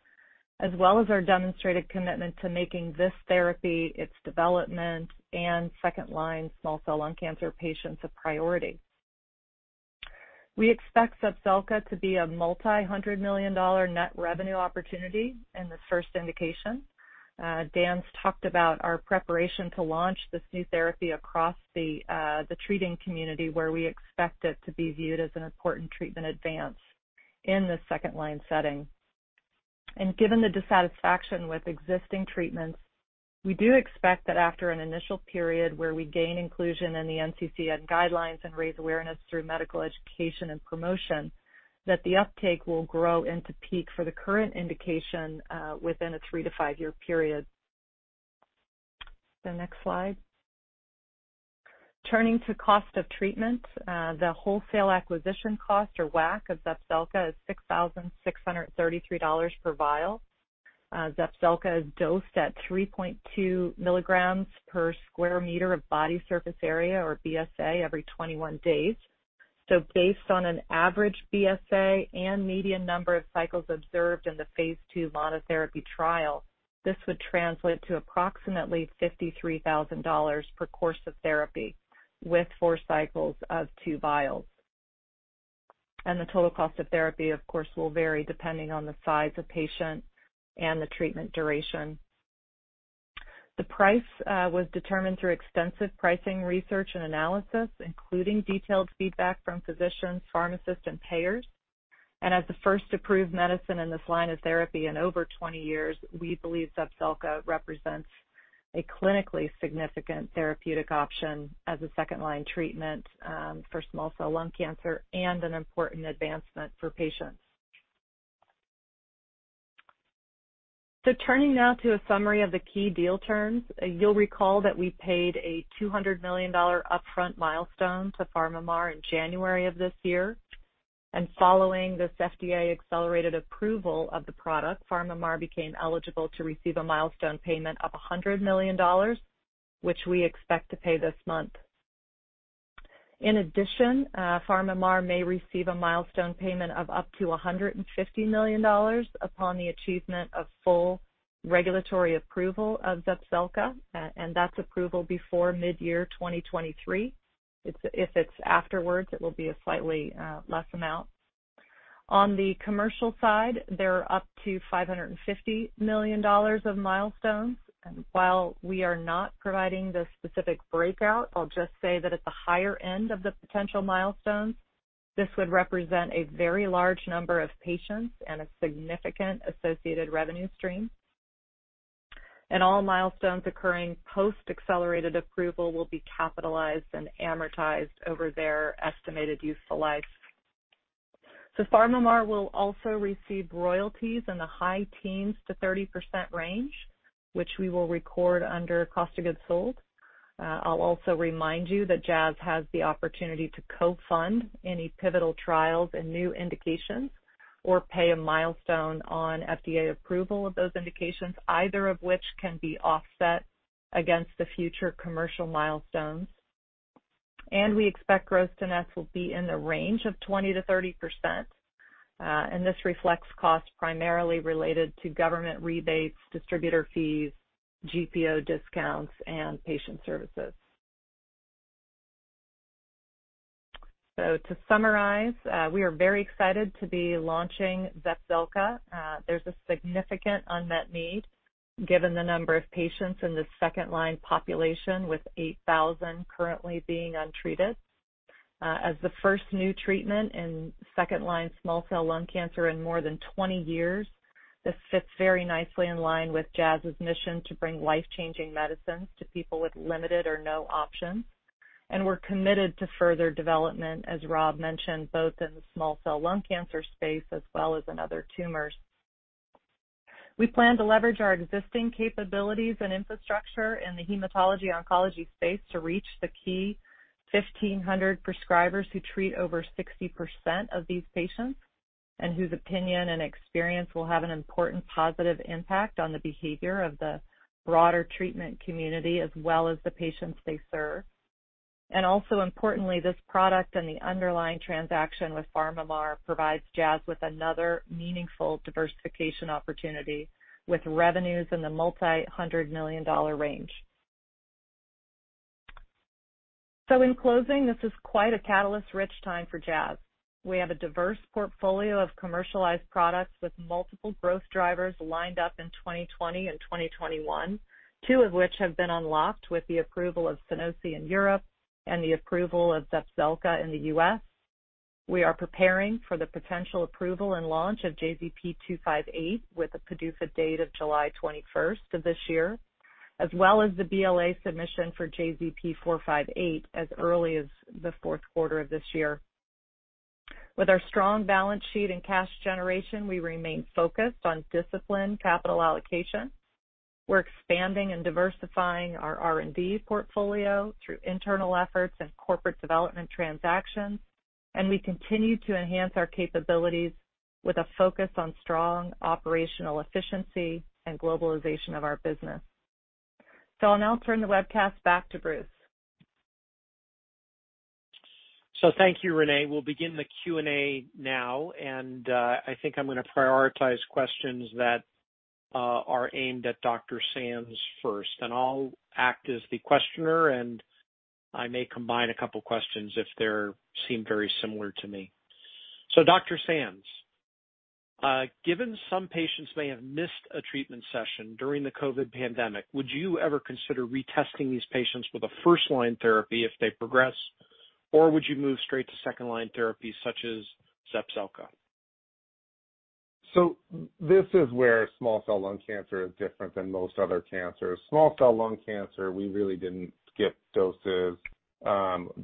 as well as our demonstrated commitment to making this therapy, its development, and second line small cell lung cancer patients a priority. We expect Zepzelca to be a multi-hundred million dollar net revenue opportunity in this first indication. Dan's talked about our preparation to launch this new therapy across the treating community, where we expect it to be viewed as an important treatment advance in the second line setting. And given the dissatisfaction with existing treatments, we do expect that after an initial period where we gain inclusion in the NCCN guidelines and raise awareness through medical education and promotion, that the uptake will grow into peak for the current indication within a three-to-five-year period. The next slide. Turning to cost of treatment, the wholesale acquisition cost or WAC of Zepzelca is $6,633 per vial. Zepzelca is dosed at 3.2 milligrams per square meter of body surface area or BSA every 21 days. So based on an average BSA and median number of cycles observed in the phase two monotherapy trial, this would translate to approximately $53,000 per course of therapy with four cycles of two vials. And the total cost of therapy, of course, will vary depending on the size of patient and the treatment duration. The price was determined through extensive pricing research and analysis, including detailed feedback from physicians, pharmacists, and payers. And as the first approved medicine in this line of therapy in over 20 years, we believe Zepzelca represents a clinically significant therapeutic option as a second line treatment for small cell lung cancer and an important advancement for patients. So turning now to a summary of the key deal terms, you'll recall that we paid a $200 million upfront milestone to PharmaMar in January of this year. Following this FDA accelerated approval of the product, PharmaMar became eligible to receive a milestone payment of $100 million, which we expect to pay this month. In addition, PharmaMar may receive a milestone payment of up to $150 million upon the achievement of full regulatory approval of Zepzelca, and that's approval before mid-year 2023. If it's afterwards, it will be a slightly less amount. On the commercial side, there are up to $550 million of milestones. And while we are not providing the specific breakout, I'll just say that at the higher end of the potential milestones, this would represent a very large number of patients and a significant associated revenue stream. All milestones occurring post-accelerated approval will be capitalized and amortized over their estimated useful life. PharmaMar will also receive royalties in the high teens to 30% range, which we will record under cost of goods sold. I'll also remind you that Jazz has the opportunity to co-fund any pivotal trials and new indications or pay a milestone on FDA approval of those indications, either of which can be offset against the future commercial milestones. We expect gross to net will be in the range of 20%-30%. This reflects costs primarily related to government rebates, distributor fees, GPO discounts, and patient services. To summarize, we are very excited to be launching Zepzelca. There's a significant unmet need given the number of patients in the second line population with 8,000 currently being untreated. As the first new treatment in second-line small cell lung cancer in more than 20 years, this fits very nicely in line with Jazz's mission to bring life-changing medicines to people with limited or no options, and we're committed to further development, as Rob mentioned, both in the small cell lung cancer space as well as in other tumors. We plan to leverage our existing capabilities and infrastructure in the hematology oncology space to reach the key 1,500 prescribers who treat over 60% of these patients and whose opinion and experience will have an important positive impact on the behavior of the broader treatment community as well as the patients they serve, and also importantly, this product and the underlying transaction with PharmaMar provides Jazz with another meaningful diversification opportunity with revenues in the multi-hundred-million-dollar range, so in closing, this is quite a catalyst-rich time for Jazz. We have a diverse portfolio of commercialized products with multiple growth drivers lined up in 2020 and 2021, two of which have been unlocked with the approval of Sunosi in Europe and the approval of Zepzelca in the U.S. We are preparing for the potential approval and launch of JZP258 with a PDUFA date of July 21st of this year, as well as the BLA submission for JZP458 as early as the fourth quarter of this year. With our strong balance sheet and cash generation, we remain focused on disciplined capital allocation. We're expanding and diversifying our R&D portfolio through internal efforts and corporate development transactions. And we continue to enhance our capabilities with a focus on strong operational efficiency and globalization of our business. So I'll now turn the webcast back to Bruce. So thank you, Renee. We'll begin the Q&A now. And I think I'm going to prioritize questions that are aimed at Dr. Sands first. And I'll act as the questioner, and I may combine a couple of questions if they seem very similar to me. So Dr. Sands, given some patients may have missed a treatment session during the COVID pandemic, would you ever consider retesting these patients with a first line therapy if they progress, or would you move straight to second line therapy such as Zepzelca? So this is where small cell lung cancer is different than most other cancers. Small cell lung cancer, we really didn't skip doses,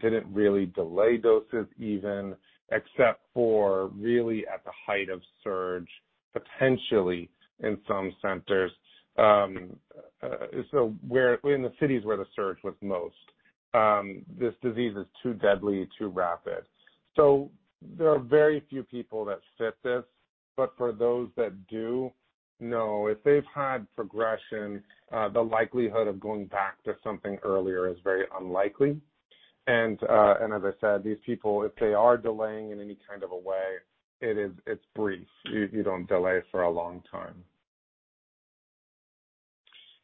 didn't really delay doses even, except for really at the height of surge, potentially in some centers. So in the cities where the surge was most, this disease is too deadly, too rapid. So there are very few people that fit this. But for those that do, no. If they've had progression, the likelihood of going back to something earlier is very unlikely. And as I said, these people, if they are delaying in any kind of a way, it's brief. You don't delay for a long time.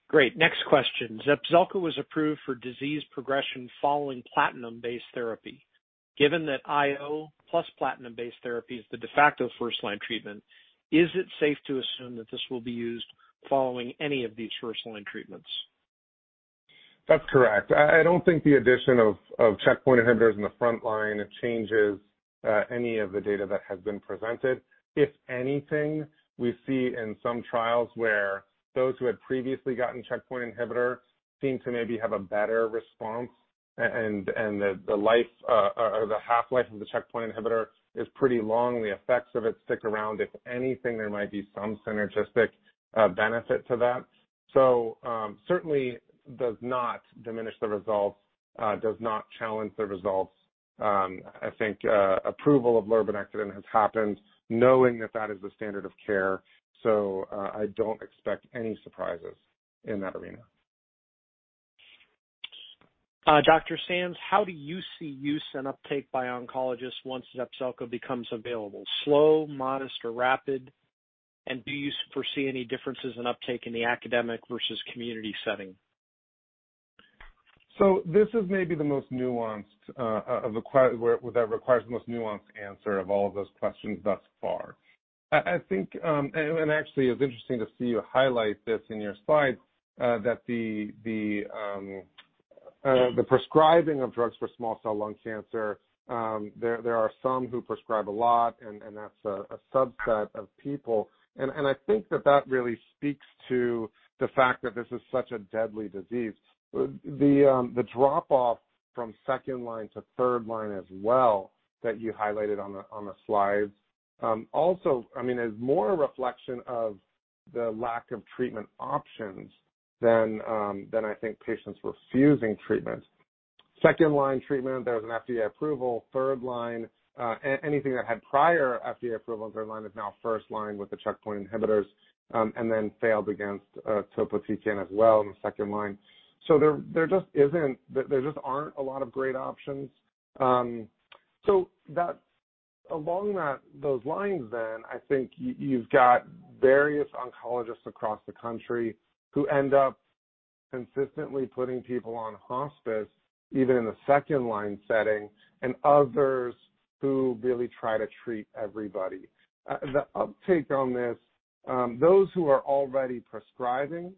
Great. Next question. Zepzelca was approved for disease progression following platinum-based therapy. Given that IO plus platinum-based therapy is the de facto first line treatment, is it safe to assume that this will be used following any of these first line treatments? That's correct. I don't think the addition of checkpoint inhibitors in the front line changes any of the data that has been presented. If anything, we see in some trials where those who had previously gotten checkpoint inhibitor seem to maybe have a better response. And the half-life of the checkpoint inhibitor is pretty long. The effects of it stick around. If anything, there might be some synergistic benefit to that. So certainly does not diminish the results, does not challenge the results. I think approval of lurbinectidine has happened knowing that that is the standard of care. So I don't expect any surprises in that arena. Dr. Sands, how do you see use and uptake by oncologists once Zepzelca becomes available? Slow, modest, or rapid? And do you foresee any differences in uptake in the academic versus community setting? This is maybe the most nuanced of the questions that requires the most nuanced answer of all of those questions thus far. I think, and actually, it's interesting to see you highlight this in your slides, that the prescribing of drugs for small cell lung cancer, there are some who prescribe a lot, and that's a subset of people. I think that that really speaks to the fact that this is such a deadly disease. The drop-off from second line to third line as well that you highlighted on the slides also, I mean, is more a reflection of the lack of treatment options than I think patients refusing treatment. Second line treatment, there was an FDA approval. Third line, anything that had prior FDA approval in third line is now first line with the checkpoint inhibitors and then failed against topotecan as well in the second line. So there just aren't a lot of great options. So along those lines then, I think you've got various oncologists across the country who end up consistently putting people on hospice, even in the second-line setting, and others who really try to treat everybody. The uptake on this, those who are already prescribing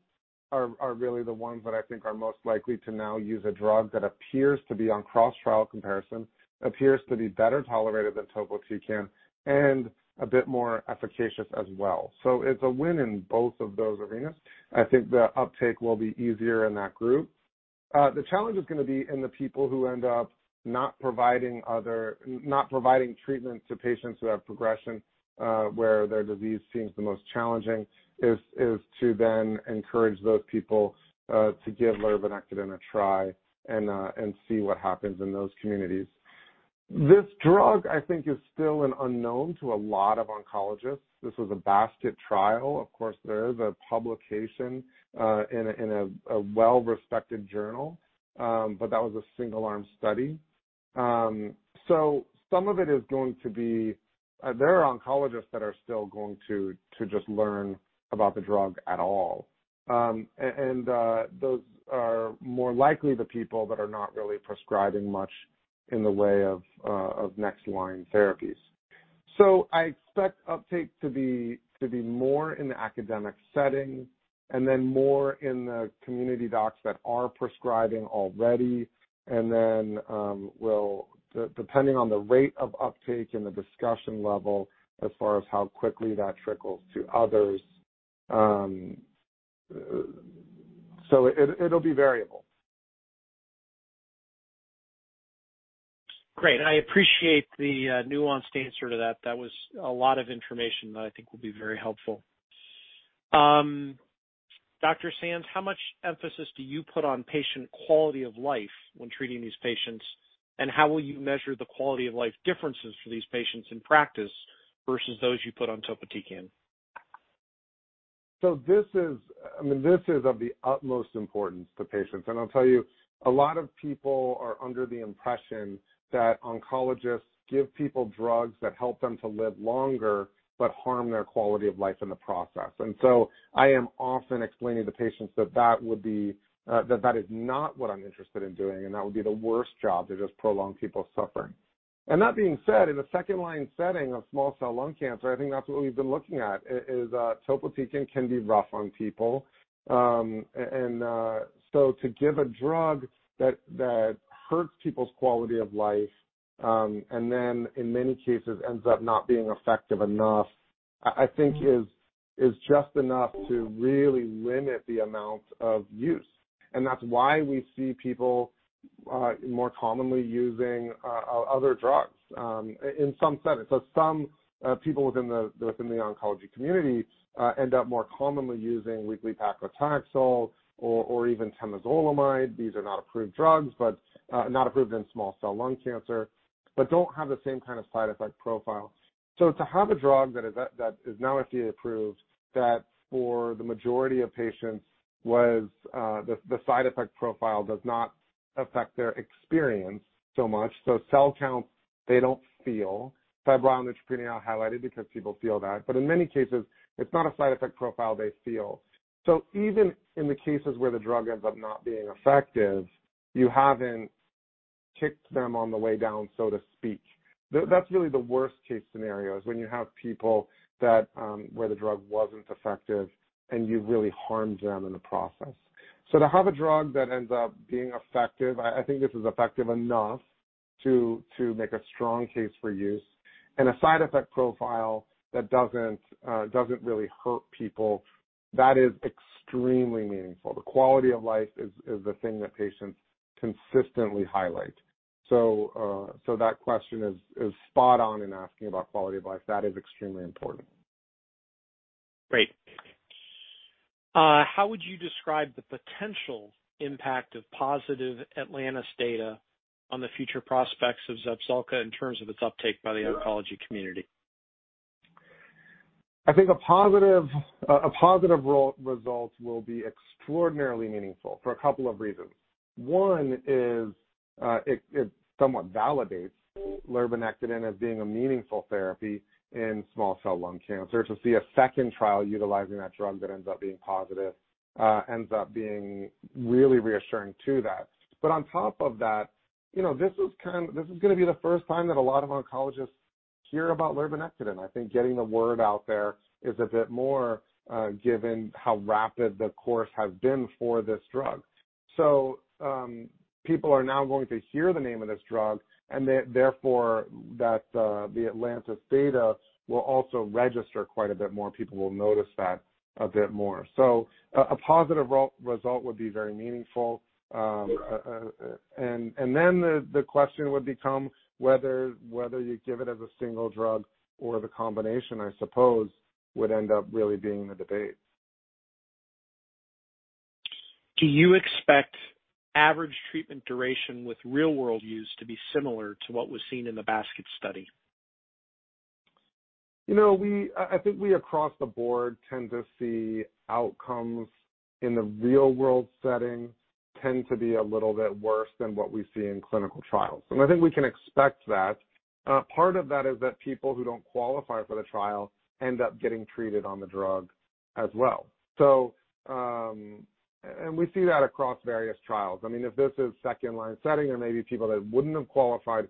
are really the ones that I think are most likely to now use a drug that appears to be on cross-trial comparison, appears to be better tolerated than topotecan, and a bit more efficacious as well. So it's a win in both of those arenas. I think the uptake will be easier in that group. The challenge is going to be in the people who end up not providing treatment to patients who have progression where their disease seems the most challenging, is to then encourage those people to give lurbinectedin a try and see what happens in those communities. This drug, I think, is still an unknown to a lot of oncologists. This was a basket trial. Of course, there is a publication in a well-respected journal, but that was a single-arm study. So some of it is going to be there are oncologists that are still going to just learn about the drug at all, and those are more likely the people that are not really prescribing much in the way of next line therapies. So I expect uptake to be more in the academic setting and then more in the community docs that are prescribing already. And then, depending on the rate of uptake and the discussion level as far as how quickly that trickles to others. So, it'll be variable. Great. I appreciate the nuanced answer to that. That was a lot of information that I think will be very helpful. Dr. Sands, how much emphasis do you put on patient quality of life when treating these patients? And how will you measure the quality of life differences for these patients in practice versus those you put on topotecan? So I mean, this is of the utmost importance to patients. And I'll tell you, a lot of people are under the impression that oncologists give people drugs that help them to live longer but harm their quality of life in the process. And so I am often explaining to patients that that is not what I'm interested in doing, and that would be the worst job to just prolong people's suffering. And that being said, in the second line setting of small cell lung cancer, I think that's what we've been looking at, is topotecan can be rough on people. And so to give a drug that hurts people's quality of life and then in many cases ends up not being effective enough, I think is just enough to really limit the amount of use. And that's why we see people more commonly using other drugs in some settings. So some people within the oncology community end up more commonly using weekly paclitaxel or even temozolomide. These are not approved drugs, but not approved in small cell lung cancer, but don't have the same kind of side effect profile. So to have a drug that is now FDA approved that for the majority of patients was the side effect profile does not affect their experience so much. So cell count, they don't feel. Febrile neutropenia highlighted because people feel that. But in many cases, it's not a side effect profile they feel. So even in the cases where the drug ends up not being effective, you haven't kicked them on the way down, so to speak. That's really the worst-case scenario is when you have people where the drug wasn't effective and you really harmed them in the process. So to have a drug that ends up being effective, I think this is effective enough to make a strong case for use. And a side effect profile that doesn't really hurt people, that is extremely meaningful. The quality of life is the thing that patients consistently highlight. So that question is spot on in asking about quality of life. That is extremely important. Great. How would you describe the potential impact of positive Atlantis' data on the future prospects of Zepzelca in terms of its uptake by the oncology community? I think a positive result will be extraordinarily meaningful for a couple of reasons. One is it somewhat validates lurbinectedin as being a meaningful therapy in small cell lung cancer to see a second trial utilizing that drug that ends up being positive ends up being really reassuring to that. But on top of that, this is going to be the first time that a lot of oncologists hear about lurbinectedin. And I think getting the word out there is a bit more given how rapid the course has been for this drug. So people are now going to hear the name of this drug, and therefore the Atlantis data will also register quite a bit more. People will notice that a bit more. So a positive result would be very meaningful. And then the question would become whether you give it as a single drug or the combination, I suppose, would end up really being the debate. Do you expect average treatment duration with real-world use to be similar to what was seen in the basket study? I think we across the board tend to see outcomes in the real-world setting tend to be a little bit worse than what we see in clinical trials. And I think we can expect that. Part of that is that people who don't qualify for the trial end up getting treated on the drug as well. And we see that across various trials. I mean, if this is second-line setting, there may be people that wouldn't have qualified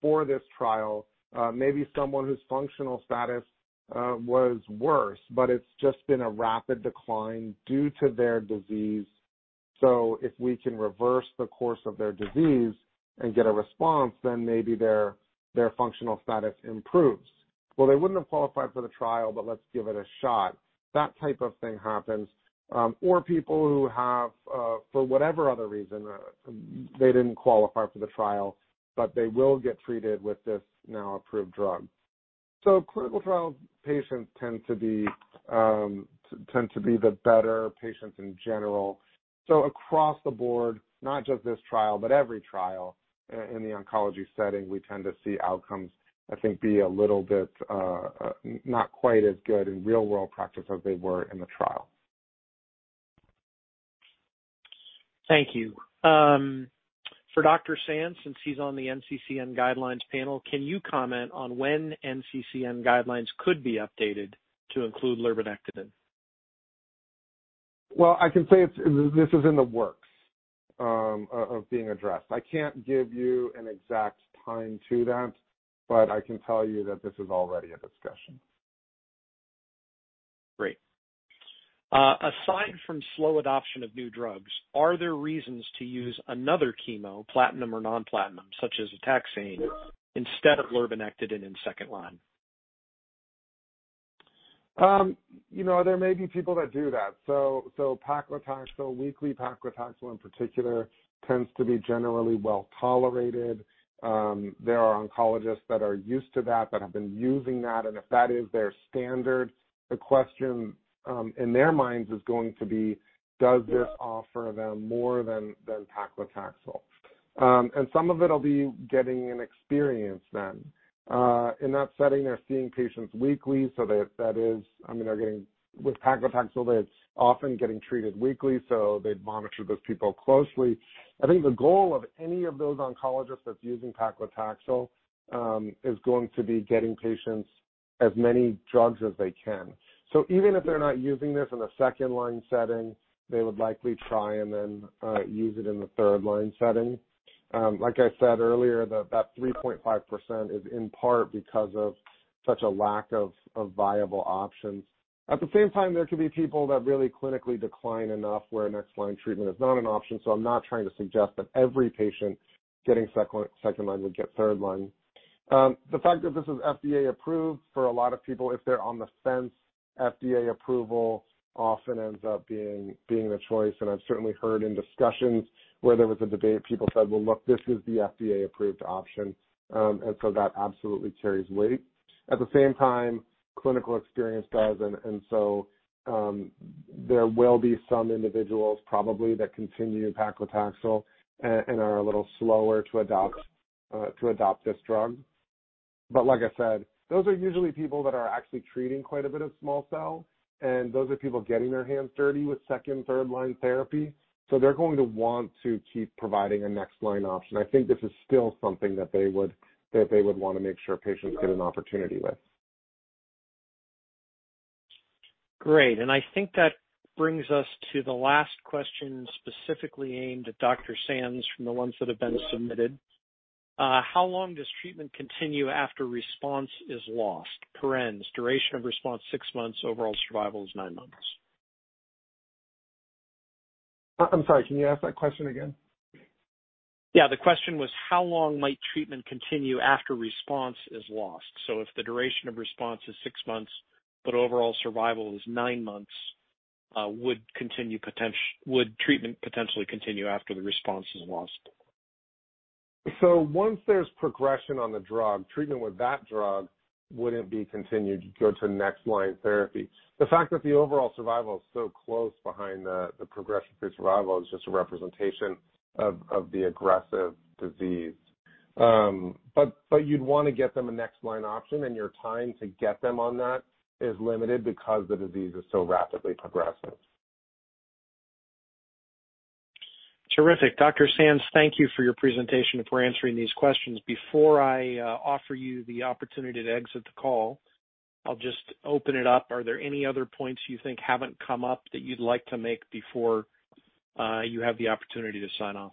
for this trial. Maybe someone whose functional status was worse, but it's just been a rapid decline due to their disease. So if we can reverse the course of their disease and get a response, then maybe their functional status improves. Well, they wouldn't have qualified for the trial, but let's give it a shot. That type of thing happens. Or people who have, for whatever other reason, they didn't qualify for the trial, but they will get treated with this now approved drug. So clinical trial patients tend to be the better patients in general. So across the board, not just this trial, but every trial in the oncology setting, we tend to see outcomes, I think, be a little bit not quite as good in real-world practice as they were in the trial. Thank you. For Dr. Sands, since he's on the NCCN Guidelines panel, can you comment on when NCCN Guidelines could be updated to include lurbinectedin? I can say this is in the works of being addressed. I can't give you an exact time to that, but I can tell you that this is already a discussion. Great. Aside from slow adoption of new drugs, are there reasons to use another chemo, platinum or non-platinum, such as a taxane instead of lurbinectedin in second line? There may be people that do that. Weekly paclitaxel in particular tends to be generally well tolerated. There are oncologists that are used to that, that have been using that. If that is their standard, the question in their minds is going to be, does this offer them more than paclitaxel? Some of it will be getting an experience then. In that setting, they're seeing patients weekly. That is, I mean, they're getting with paclitaxel, they're often getting treated weekly. They'd monitor those people closely. I think the goal of any of those oncologists that's using paclitaxel is going to be getting patients as many drugs as they can. Even if they're not using this in the second line setting, they would likely try and then use it in the third line setting. Like I said earlier, that 3.5% is in part because of such a lack of viable options. At the same time, there could be people that really clinically decline enough where next line treatment is not an option. So I'm not trying to suggest that every patient getting second line would get third line. The fact that this is FDA approved for a lot of people, if they're on the fence, FDA approval often ends up being the choice. And I've certainly heard in discussions where there was a debate, people said, "Well, look, this is the FDA approved option." And so that absolutely carries weight. At the same time, clinical experience does. And so there will be some individuals probably that continue paclitaxel and are a little slower to adopt this drug. But like I said, those are usually people that are actually treating quite a bit of small cell. And those are people getting their hands dirty with second, third line therapy. So they're going to want to keep providing a next line option. I think this is still something that they would want to make sure patients get an opportunity with. Great. And I think that brings us to the last question specifically aimed at Dr. Sands from the ones that have been submitted. How long does treatment continue after response is lost? Perennes. Duration of response six months. Overall survival is nine months. I'm sorry. Can you ask that question again? Yeah. The question was, how long might treatment continue after response is lost? So if the duration of response is six months, but overall survival is nine months, would treatment potentially continue after the response is lost? So once there's progression on the drug, treatment with that drug wouldn't be continued to go to next line therapy. The fact that the overall survival is so close behind the progression-free survival is just a representation of the aggressive disease. But you'd want to get them a next line option, and your time to get them on that is limited because the disease is so rapidly progressive. Terrific. Dr. Sands, thank you for your presentation and for answering these questions. Before I offer you the opportunity to exit the call, I'll just open it up. Are there any other points you think haven't come up that you'd like to make before you have the opportunity to sign off?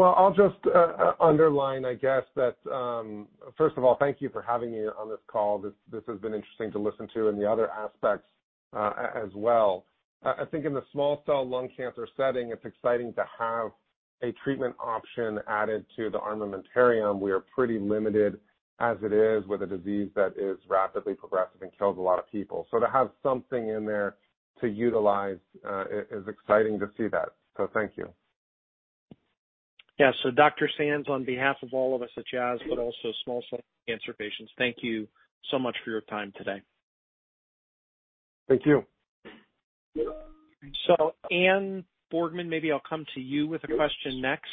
I'll just underline, I guess, that first of all, thank you for having me on this call. This has been interesting to listen to and the other aspects as well. I think in the small cell lung cancer setting, it's exciting to have a treatment option added to the armamentarium. We are pretty limited as it is with a disease that is rapidly progressive and kills a lot of people. So to have something in there to utilize is exciting to see that. So thank you. Yeah. So Dr. Sands, on behalf of all of us at Jazz, but also small cell cancer patients, thank you so much for your time today. Thank you. So Anne Boardman, maybe I'll come to you with a question next.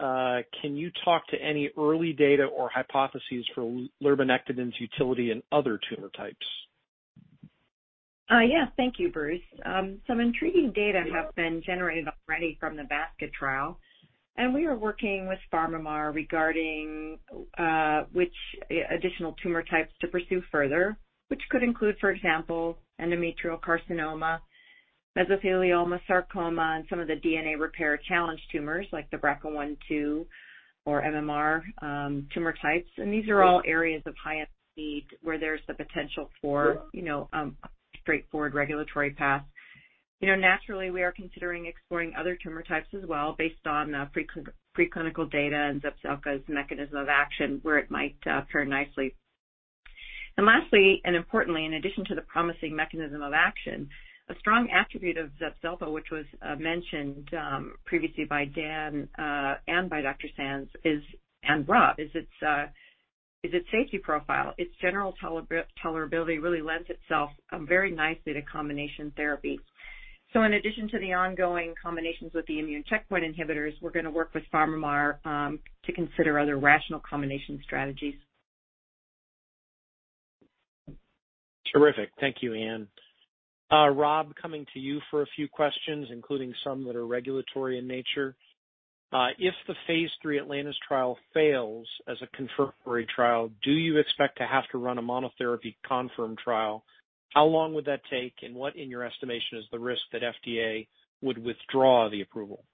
Can you talk to any early data or hypotheses for lurbinectidine's utility in other tumor types? Yeah. Thank you, Bruce. Some intriguing data have been generated already from the basket trial. And we are working with PharmaMar regarding which additional tumor types to pursue further, which could include, for example, endometrial carcinoma, mesothelioma, sarcoma, and some of the DNA repair challenge tumors like the BRCA1, 2, or MMR tumor types. And these are all areas of high-end need where there's the potential for a straightforward regulatory path. Naturally, we are considering exploring other tumor types as well based on preclinical data and Zepzelca's mechanism of action where it might pair nicely. And lastly, and importantly, in addition to the promising mechanism of action, a strong attribute of Zepzelca, which was mentioned previously by Dan and by Dr. Sands, is its safety profile. Its general tolerability really lends itself very nicely to combination therapy. So in addition to the ongoing combinations with the immune checkpoint inhibitors, we're going to work with PharmaMar to consider other rational combination strategies. Terrific. Thank you, Anne. Rob, coming to you for a few questions, including some that are regulatory in nature. If the phase 3 Atlantis trial fails as a confirmatory trial, do you expect to have to run a monotherapy confirmatory trial? How long would that take? And what, in your estimation, is the risk that FDA would withdraw the approval?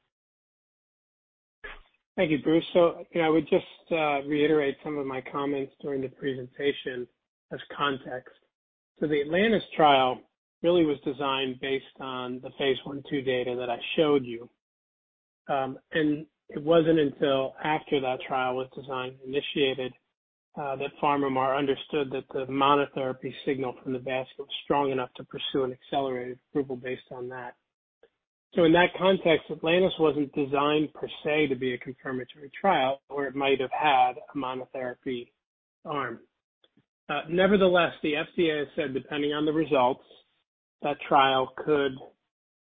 Thank you, Bruce. So I would just reiterate some of my comments during the presentation as context. So the Atlantis trial really was designed based on the phase 1, 2 data that I showed you. And it wasn't until after that trial was initiated that PharmaMar understood that the monotherapy signal from the basket was strong enough to pursue an accelerated approval based on that. So in that context, Atlantis wasn't designed per se to be a confirmatory trial where it might have had a monotherapy arm. Nevertheless, the FDA has said, depending on the results, that trial could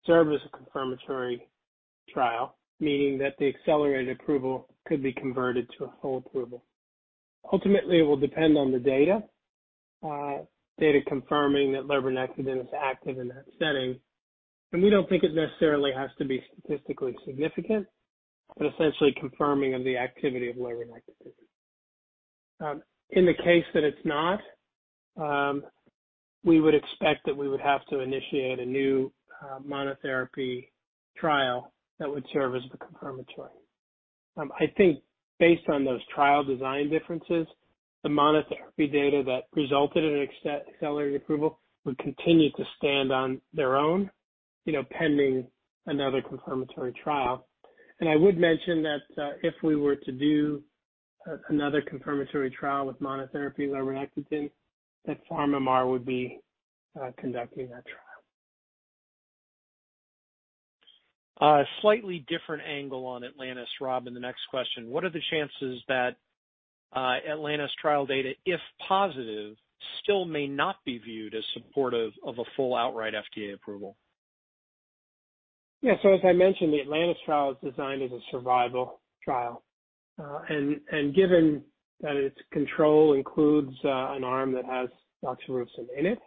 serve as a confirmatory trial, meaning that the accelerated approval could be converted to a full approval. Ultimately, it will depend on the data, data confirming that lurbinectidine is active in that setting. We don't think it necessarily has to be statistically significant, but essentially confirming of the activity of lurbinectidine. In the case that it's not, we would expect that we would have to initiate a new monotherapy trial that would serve as the confirmatory. I think based on those trial design differences, the monotherapy data that resulted in an accelerated approval would continue to stand on their own pending another confirmatory trial. I would mention that if we were to do another confirmatory trial with monotherapy lurbinectidine, that PharmaMar would be conducting that trial. Slightly different angle on Atlantis's, Rob, in the next question. What are the chances that Atlantis's trial data, if positive, still may not be viewed as supportive of a full outright FDA approval? Yeah. So as I mentioned, the Atlantis trial is designed as a survival trial, and given that its control includes an arm that has doxorubicin in it,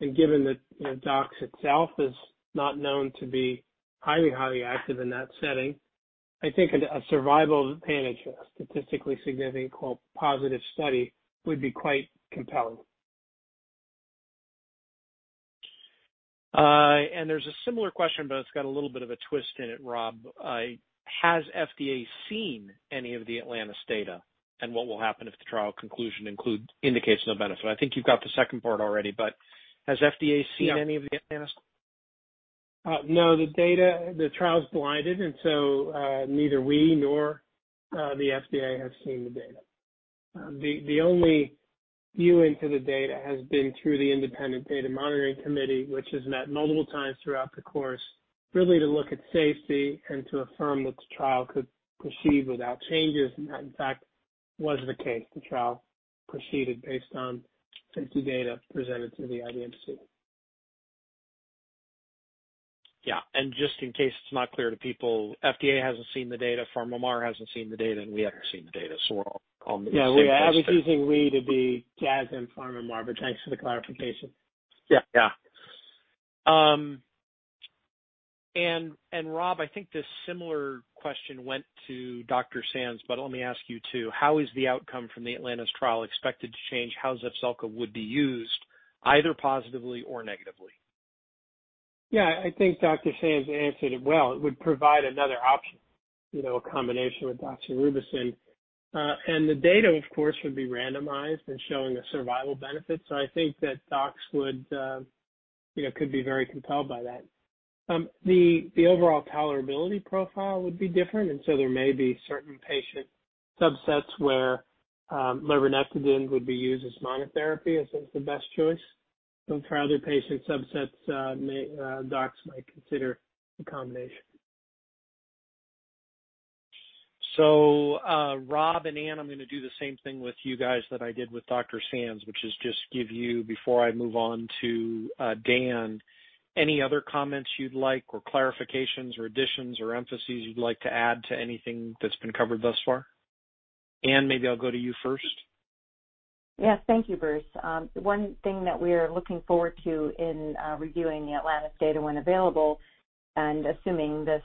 and given that dox itself is not known to be highly, highly active in that setting, I think a survival advantage of a statistically significant positive study would be quite compelling. There's a similar question, but it's got a little bit of a twist in it, Rob. Has FDA seen any of the Atlantis's data and what will happen if the trial conclusion indicates no benefit? I think you've got the second part already, but has FDA seen any of the Atlantis's? No. The trial's blinded, and so neither we nor the FDA have seen the data. The only view into the data has been through the independent data monitoring committee, which has met multiple times throughout the course, really to look at safety and to affirm that the trial could proceed without changes. And that, in fact, was the case. The trial proceeded based on safety data presented to the IDMC. Yeah. And just in case it's not clear to people, FDA hasn't seen the data. PharmaMar hasn't seen the data, and we haven't seen the data. So we're all on the same page. Yeah. We're using we to be Jazz and PharmaMar, but thanks for the clarification. Yeah. Yeah. And Rob, I think this similar question went to Dr. Sands, but let me ask you too. How is the outcome from the Atlantis trial expected to change how Zepzelca would be used, either positively or negatively? Yeah. I think Dr. Sands answered it well. It would provide another option, a combination with doxorubicin. And the data, of course, would be randomized and showing a survival benefit. So I think that docs would be very compelled by that. The overall tolerability profile would be different. And so there may be certain patient subsets where lurbinectedin would be used as monotherapy as the best choice. But for other patient subsets, docs might consider a combination. So Rob and Anne, I'm going to do the same thing with you guys that I did with Dr. Sands, which is just give you, before I move on to Dan, any other comments you'd like or clarifications or additions or emphases you'd like to add to anything that's been covered thus far? Anne, maybe I'll go to you first. Yes. Thank you, Bruce. One thing that we are looking forward to in reviewing the Atlantis data when available and assuming this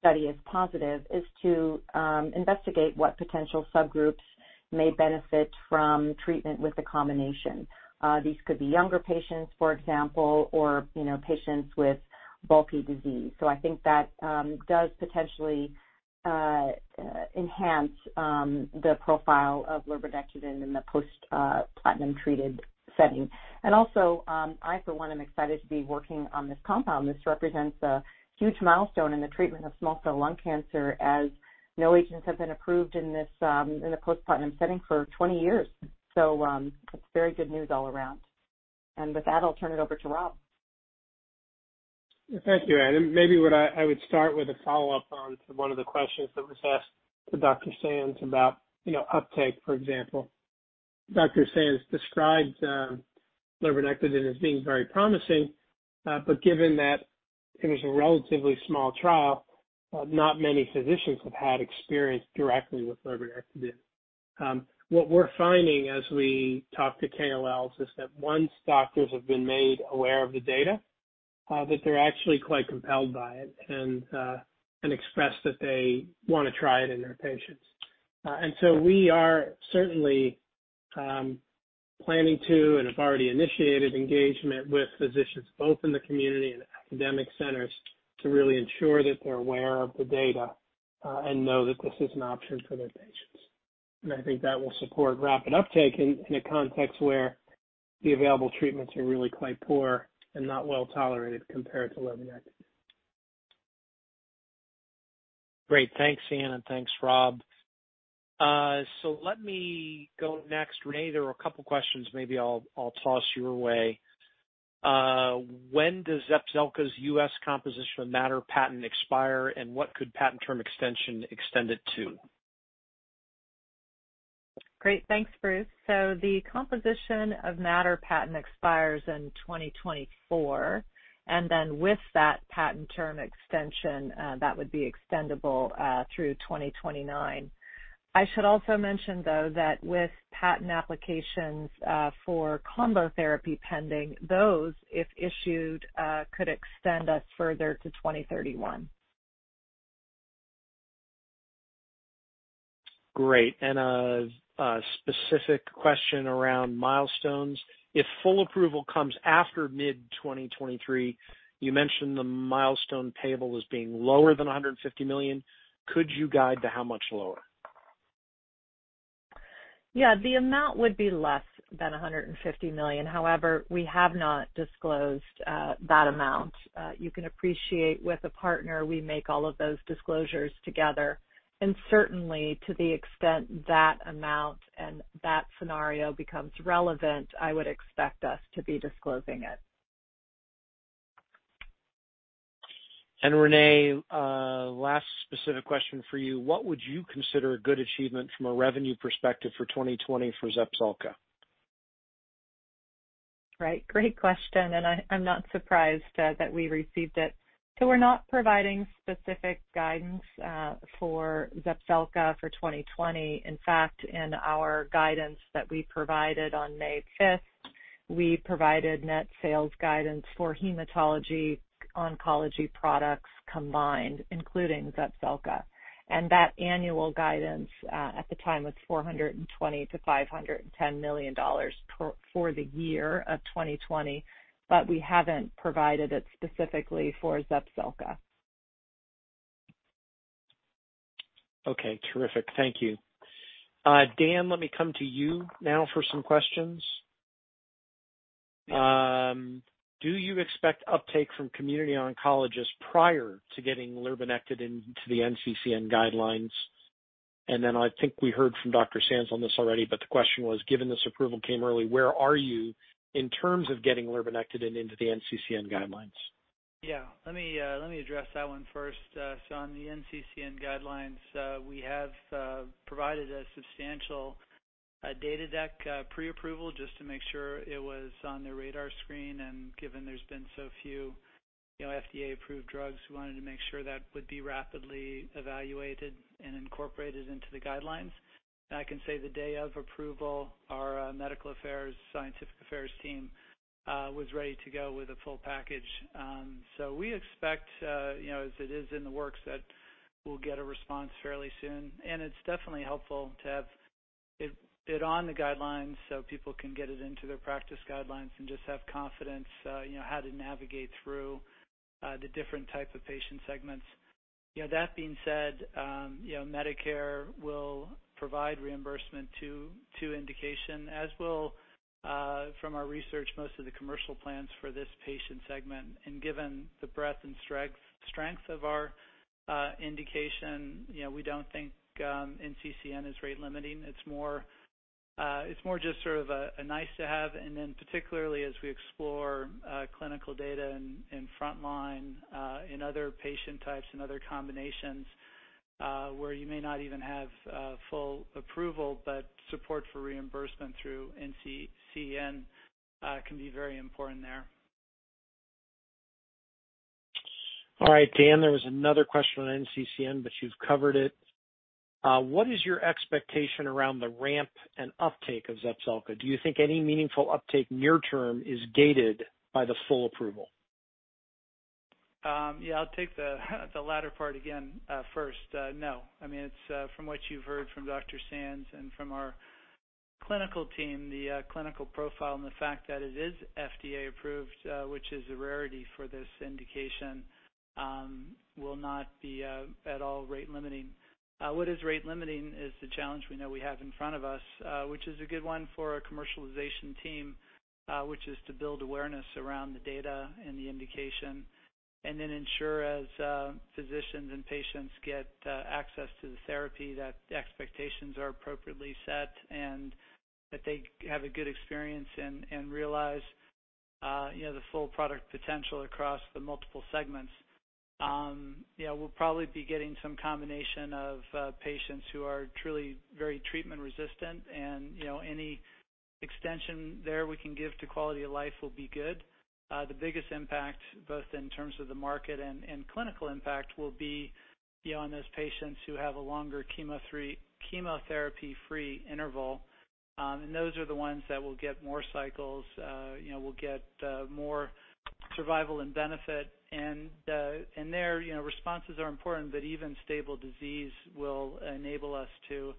study is positive is to investigate what potential subgroups may benefit from treatment with the combination. These could be younger patients, for example, or patients with bulky disease, so I think that does potentially enhance the profile of lurbinectedin in the post-platinum treated setting, and also I for one am excited to be working on this compound. This represents a huge milestone in the treatment of small cell lung cancer as no agents have been approved in the post-platinum setting for 20 years, so it's very good news all around, and with that, I'll turn it over to Rob. Thank you, Anne. And maybe I would start with a follow-up on one of the questions that was asked to Dr. Sands about uptake, for example. Dr. Sands described lurbinectidine as being very promising, but given that it was a relatively small trial, not many physicians have had experience directly with lurbinectidine. What we're finding as we talk to KOLs is that once doctors have been made aware of the data, that they're actually quite compelled by it and express that they want to try it in their patients. And so we are certainly planning to and have already initiated engagement with physicians both in the community and academic centers to really ensure that they're aware of the data and know that this is an option for their patients. I think that will support rapid uptake in a context where the available treatments are really quite poor and not well tolerated compared to lurbinectedin. Great. Thanks, Anne. And thanks, Rob. So let me go next, Renee. There are a couple of questions. Maybe I'll toss your way. When does Zepzelca's U.S. composition of matter patent expire, and what could patent term extension extend it to? Great. Thanks, Bruce. So the composition of matter patent expires in 2024. And then with that patent term extension, that would be extendable through 2029. I should also mention, though, that with patent applications for combo therapy pending, those, if issued, could extend us further to 2031. Great. And a specific question around milestones. If full approval comes after mid-2023, you mentioned the milestone table as being lower than $150 million. Could you guide to how much lower? Yeah. The amount would be less than $150 million. However, we have not disclosed that amount. You can appreciate with a partner, we make all of those disclosures together. And certainly, to the extent that amount and that scenario becomes relevant, I would expect us to be disclosing it. Renee, last specific question for you. What would you consider a good achievement from a revenue perspective for 2020 for Zepzelca? Right. Great question. And I'm not surprised that we received it. So we're not providing specific guidance for Zepzelca for 2020. In fact, in our guidance that we provided on May 5th, we provided net sales guidance for hematology-oncology products combined, including Zepzelca. And that annual guidance at the time was $420 million-$510 million for the year of 2020, but we haven't provided it specifically for Zepzelca. Okay. Terrific. Thank you. Dan, let me come to you now for some questions. Do you expect uptake from community oncologists prior to getting lurbinectedin into the NCCN guidelines? And then I think we heard from Dr. Sands on this already, but the question was, given this approval came early, where are you in terms of getting lurbinectedin into the NCCN guidelines? Yeah. Let me address that one first. So on the NCCN guidelines, we have provided a substantial data deck pre-approval just to make sure it was on the radar screen. And given there's been so few FDA-approved drugs, we wanted to make sure that would be rapidly evaluated and incorporated into the guidelines. And I can say the day of approval, our medical affairs, scientific affairs team was ready to go with a full package. So we expect, as it is in the works, that we'll get a response fairly soon. And it's definitely helpful to have it on the guidelines so people can get it into their practice guidelines and just have confidence how to navigate through the different type of patient segments. That being said, Medicare will provide reimbursement for the indication, as will, from our research, most of the commercial plans for this patient segment. Given the breadth and strength of our indication, we don't think NCCN is rate limiting. It's more just sort of a nice-to-have. Then particularly as we explore clinical data in frontline, in other patient types, in other combinations, where you may not even have full approval, but support for reimbursement through NCCN can be very important there. All right. Dan, there was another question on NCCN, but you've covered it. What is your expectation around the ramp and uptake of Zepzelca? Do you think any meaningful uptake near-term is gated by the full approval? Yeah. I'll take the latter part again first. No. I mean, from what you've heard from Dr. Sands and from our clinical team, the clinical profile and the fact that it is FDA-approved, which is a rarity for this indication, will not be at all rate limiting. What is rate limiting is the challenge we know we have in front of us, which is a good one for a commercialization team, which is to build awareness around the data and the indication, and then ensure as physicians and patients get access to the therapy that expectations are appropriately set and that they have a good experience and realize the full product potential across the multiple segments. We'll probably be getting some combination of patients who are truly very treatment resistant, and any extension there we can give to quality of life will be good. The biggest impact, both in terms of the market and clinical impact, will be on those patients who have a longer chemotherapy-free interval. And those are the ones that will get more cycles, will get more survival and benefit. And their responses are important, but even stable disease will enable us to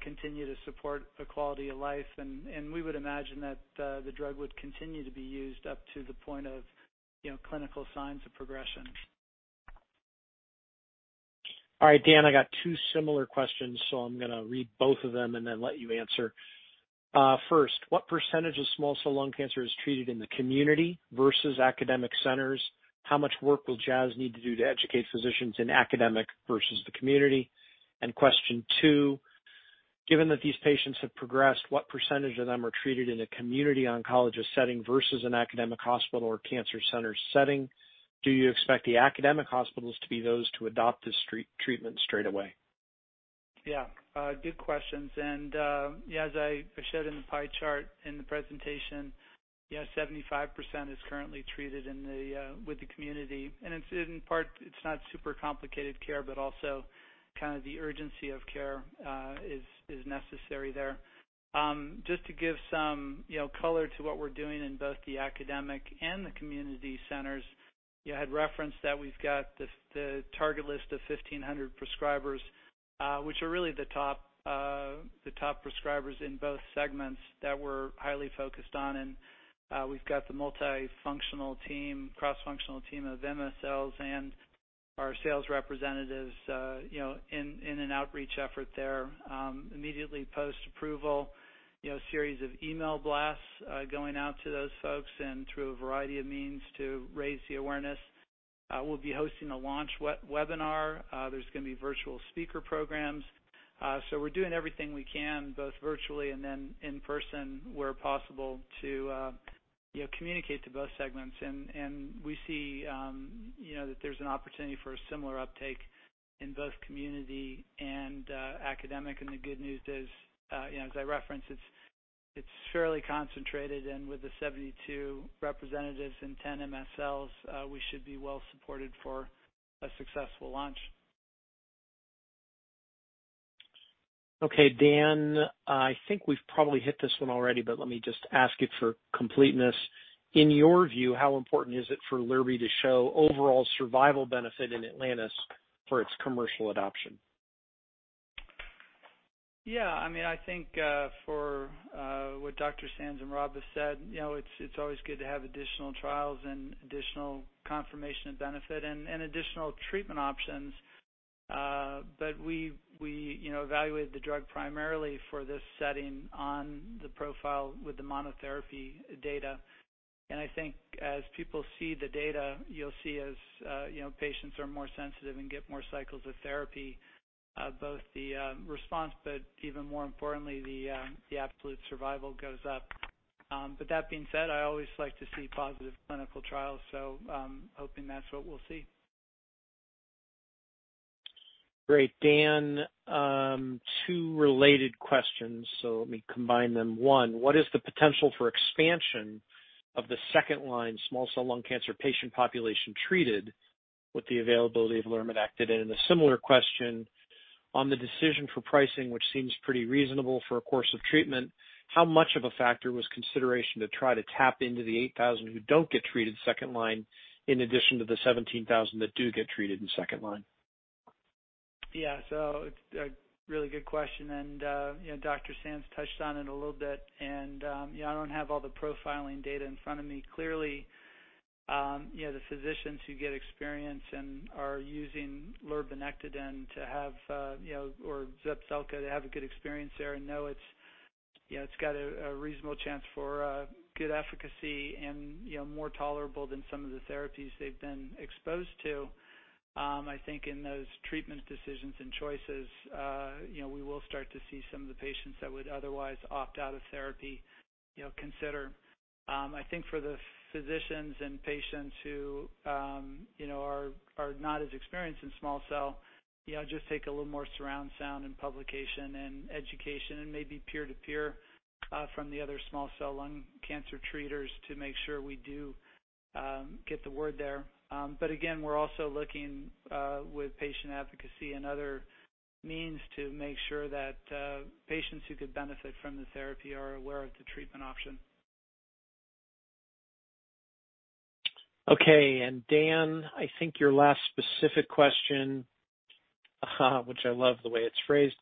continue to support a quality of life. And we would imagine that the drug would continue to be used up to the point of clinical signs of progression. All right. Dan, I got two similar questions, so I'm going to read both of them and then let you answer. First, what percentage of small cell lung cancer is treated in the community versus academic centers? How much work will Jazz need to do to educate physicians in academic versus the community? And question two, given that these patients have progressed, what percentage of them are treated in a community oncologist setting versus an academic hospital or cancer center setting? Do you expect the academic hospitals to be those to adopt this treatment straight away? Yeah. Good questions. And as I showed in the pie chart in the presentation, 75% is currently treated with the community. And in part, it's not super complicated care, but also kind of the urgency of care is necessary there. Just to give some color to what we're doing in both the academic and the community centers, I had referenced that we've got the target list of 1,500 prescribers, which are really the top prescribers in both segments that we're highly focused on. And we've got the multifunctional team, cross-functional team of MSLs and our sales representatives in an outreach effort there. Immediately post-approval, a series of email blasts going out to those folks and through a variety of means to raise the awareness. We'll be hosting a launch webinar. There's going to be virtual speaker programs. So we're doing everything we can, both virtually and then in person where possible, to communicate to both segments. And we see that there's an opportunity for a similar uptake in both community and academic. And the good news is, as I referenced, it's fairly concentrated. And with the 72 representatives and 10 MSLs, we should be well supported for a successful launch. Okay. Dan, I think we've probably hit this one already, but let me just ask it for completeness. In your view, how important is it for lurbinectidine to show overall survival benefit in Atlantis for its commercial adoption? Yeah. I mean, I think for what Dr. Sands and Rob have said, it's always good to have additional trials and additional confirmation of benefit and additional treatment options. But we evaluated the drug primarily for this setting on the profile with the monotherapy data. And I think as people see the data, you'll see as patients are more sensitive and get more cycles of therapy, both the response, but even more importantly, the absolute survival goes up. But that being said, I always like to see positive clinical trials. So I'm hoping that's what we'll see. Great. Dan, two related questions. So let me combine them. One, what is the potential for expansion of the second-line small cell lung cancer patient population treated with the availability of lurbinectedin? And a similar question, on the decision for pricing, which seems pretty reasonable for a course of treatment, how much of a factor was consideration to try to tap into the 8,000 who don't get treated second line in addition to the 17,000 that do get treated in second line? Yeah. So a really good question. And Dr. Sands touched on it a little bit. And I don't have all the profiling data in front of me. Clearly, the physicians who get experience and are using lurbinectidine or Zepzelca to have a good experience there and know it's got a reasonable chance for good efficacy and more tolerable than some of the therapies they've been exposed to, I think in those treatment decisions and choices, we will start to see some of the patients that would otherwise opt out of therapy consider. I think for the physicians and patients who are not as experienced in small cell, just take a little more sound science and publication and education and maybe peer-to-peer from the other small cell lung cancer treaters to make sure we do get the word out there. But again, we're also looking with patient advocacy and other means to make sure that patients who could benefit from the therapy are aware of the treatment option. Okay. Dan, I think your last specific question, which I love the way it's phrased.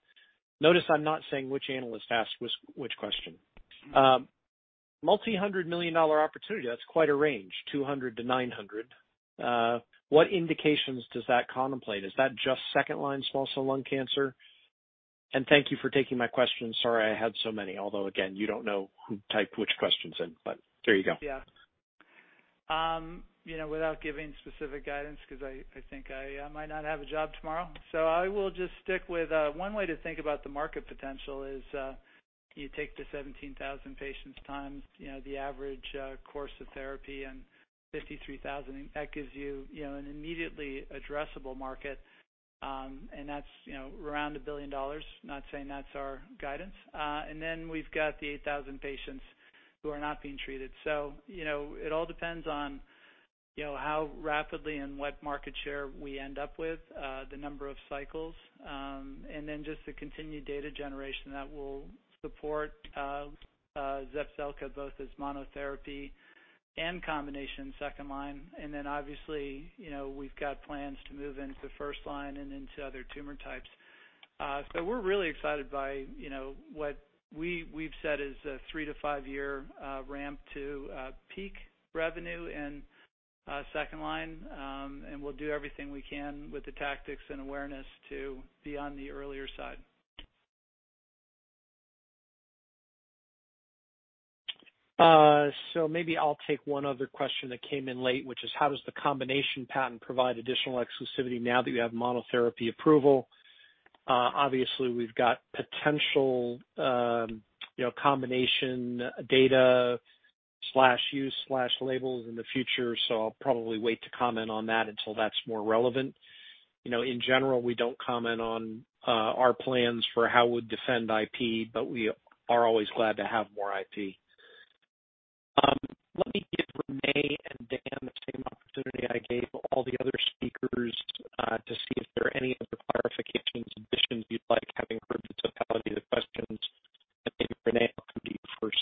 Notice I'm not saying which analyst asked which question. Multi-hundred million dollar opportunity, that's quite a range, $200 million-$900 million. What indications does that contemplate? Is that just second-line small cell lung cancer? And thank you for taking my questions. Sorry, I had so many. Although, again, you don't know who typed which questions in, but there you go. Yeah. Without giving specific guidance because I think I might not have a job tomorrow, so I will just stick with one way to think about the market potential is you take the 17,000 patients times the average course of therapy and 53,000. And that gives you an immediately addressable market. And that's around $1 billion. Not saying that's our guidance. And then we've got the 8,000 patients who are not being treated, so it all depends on how rapidly and what market share we end up with, the number of cycles. And then just the continued data generation that will support Zepzelca both as monotherapy and combination second line. And then obviously, we've got plans to move into first line and into other tumor types, so we're really excited by what we've said is a three- to five-year ramp to peak revenue in second line. We'll do everything we can with the tactics and awareness to be on the earlier side. So maybe I'll take one other question that came in late, which is how does the combination patent provide additional exclusivity now that you have monotherapy approval? Obviously, we've got potential combination data/use/labels in the future. So I'll probably wait to comment on that until that's more relevant. In general, we don't comment on our plans for how we would defend IP, but we are always glad to have more IP. Let me give Renee and Dan the same opportunity I gave all the other speakers to see if there are any other clarifications, additions you'd like, having heard the totality of the questions. And maybe Renee, I'll come to you first.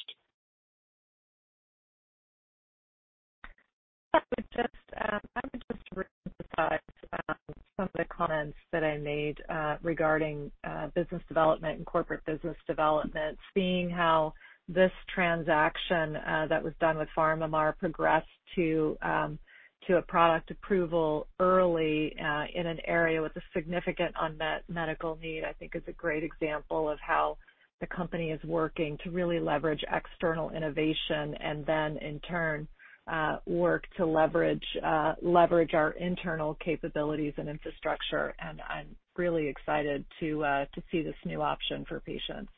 I would just emphasize some of the comments that I made regarding business development and corporate business development. Seeing how this transaction that was done with PharmaMar progressed to a product approval early in an area with a significant unmet medical need, I think is a great example of how the company is working to really leverage external innovation and then, in turn, work to leverage our internal capabilities and infrastructure. And I'm really excited to see this new option for patients.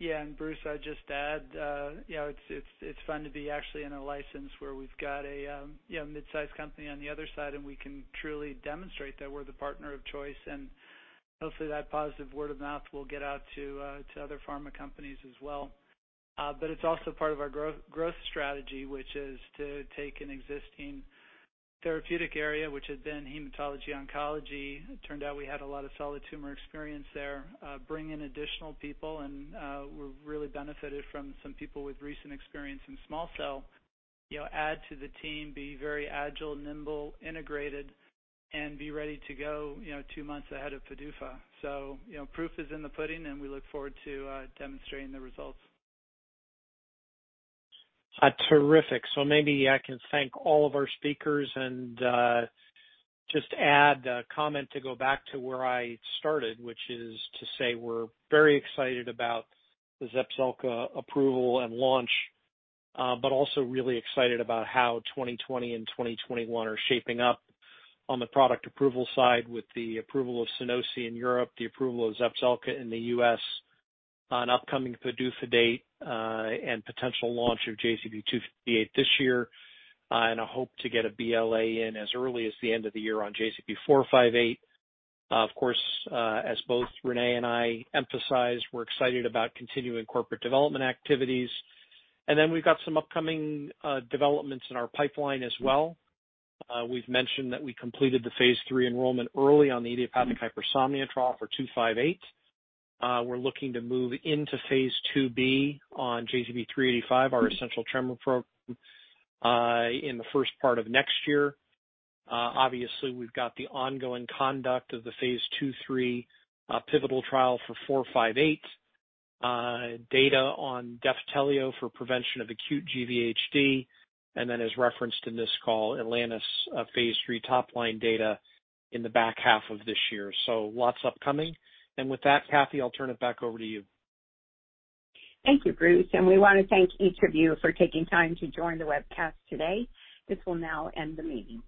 Yeah. And Bruce, I'd just add, it's fun to be actually in a license where we've got a mid-sized company on the other side, and we can truly demonstrate that we're the partner of choice. And hopefully, that positive word of mouth will get out to other pharma companies as well. But it's also part of our growth strategy, which is to take an existing therapeutic area, which had been hematology-oncology. It turned out we had a lot of solid tumor experience there, bring in additional people. And we're really benefited from some people with recent experience in small cell. Add to the team, be very agile, nimble, integrated, and be ready to go two months ahead of PDUFA. So proof is in the pudding, and we look forward to demonstrating the results. Terrific. So maybe I can thank all of our speakers and just add a comment to go back to where I started, which is to say we're very excited about the Zepzelca approval and launch, but also really excited about how 2020 and 2021 are shaping up on the product approval side with the approval of Sunosi in Europe, the approval of Zepzelca in the US, an upcoming PDUFA date, and potential launch of JZP258 this year. And I hope to get a BLA in as early as the end of the year on JZP458. Of course, as both Renee and I emphasized, we're excited about continuing corporate development activities. And then we've got some upcoming developments in our pipeline as well. We've mentioned that we completed the phase three enrollment early on the idiopathic hypersomnia trial for 258. We're looking to move into phase 2B on JZP385, our essential tremor program, in the first part of next year. Obviously, we've got the ongoing conduct of the phase 2, 3 pivotal trial for JZP458, data on Defitelio for prevention of acute GVHD, and then, as referenced in this call, Atlantis phase 3 top-line data in the back half of this year. Lots upcoming. With that, Kathee, I'll turn it back over to you. Thank you, Bruce. We want to thank each of you for taking time to join the webcast today. This will now end the meeting.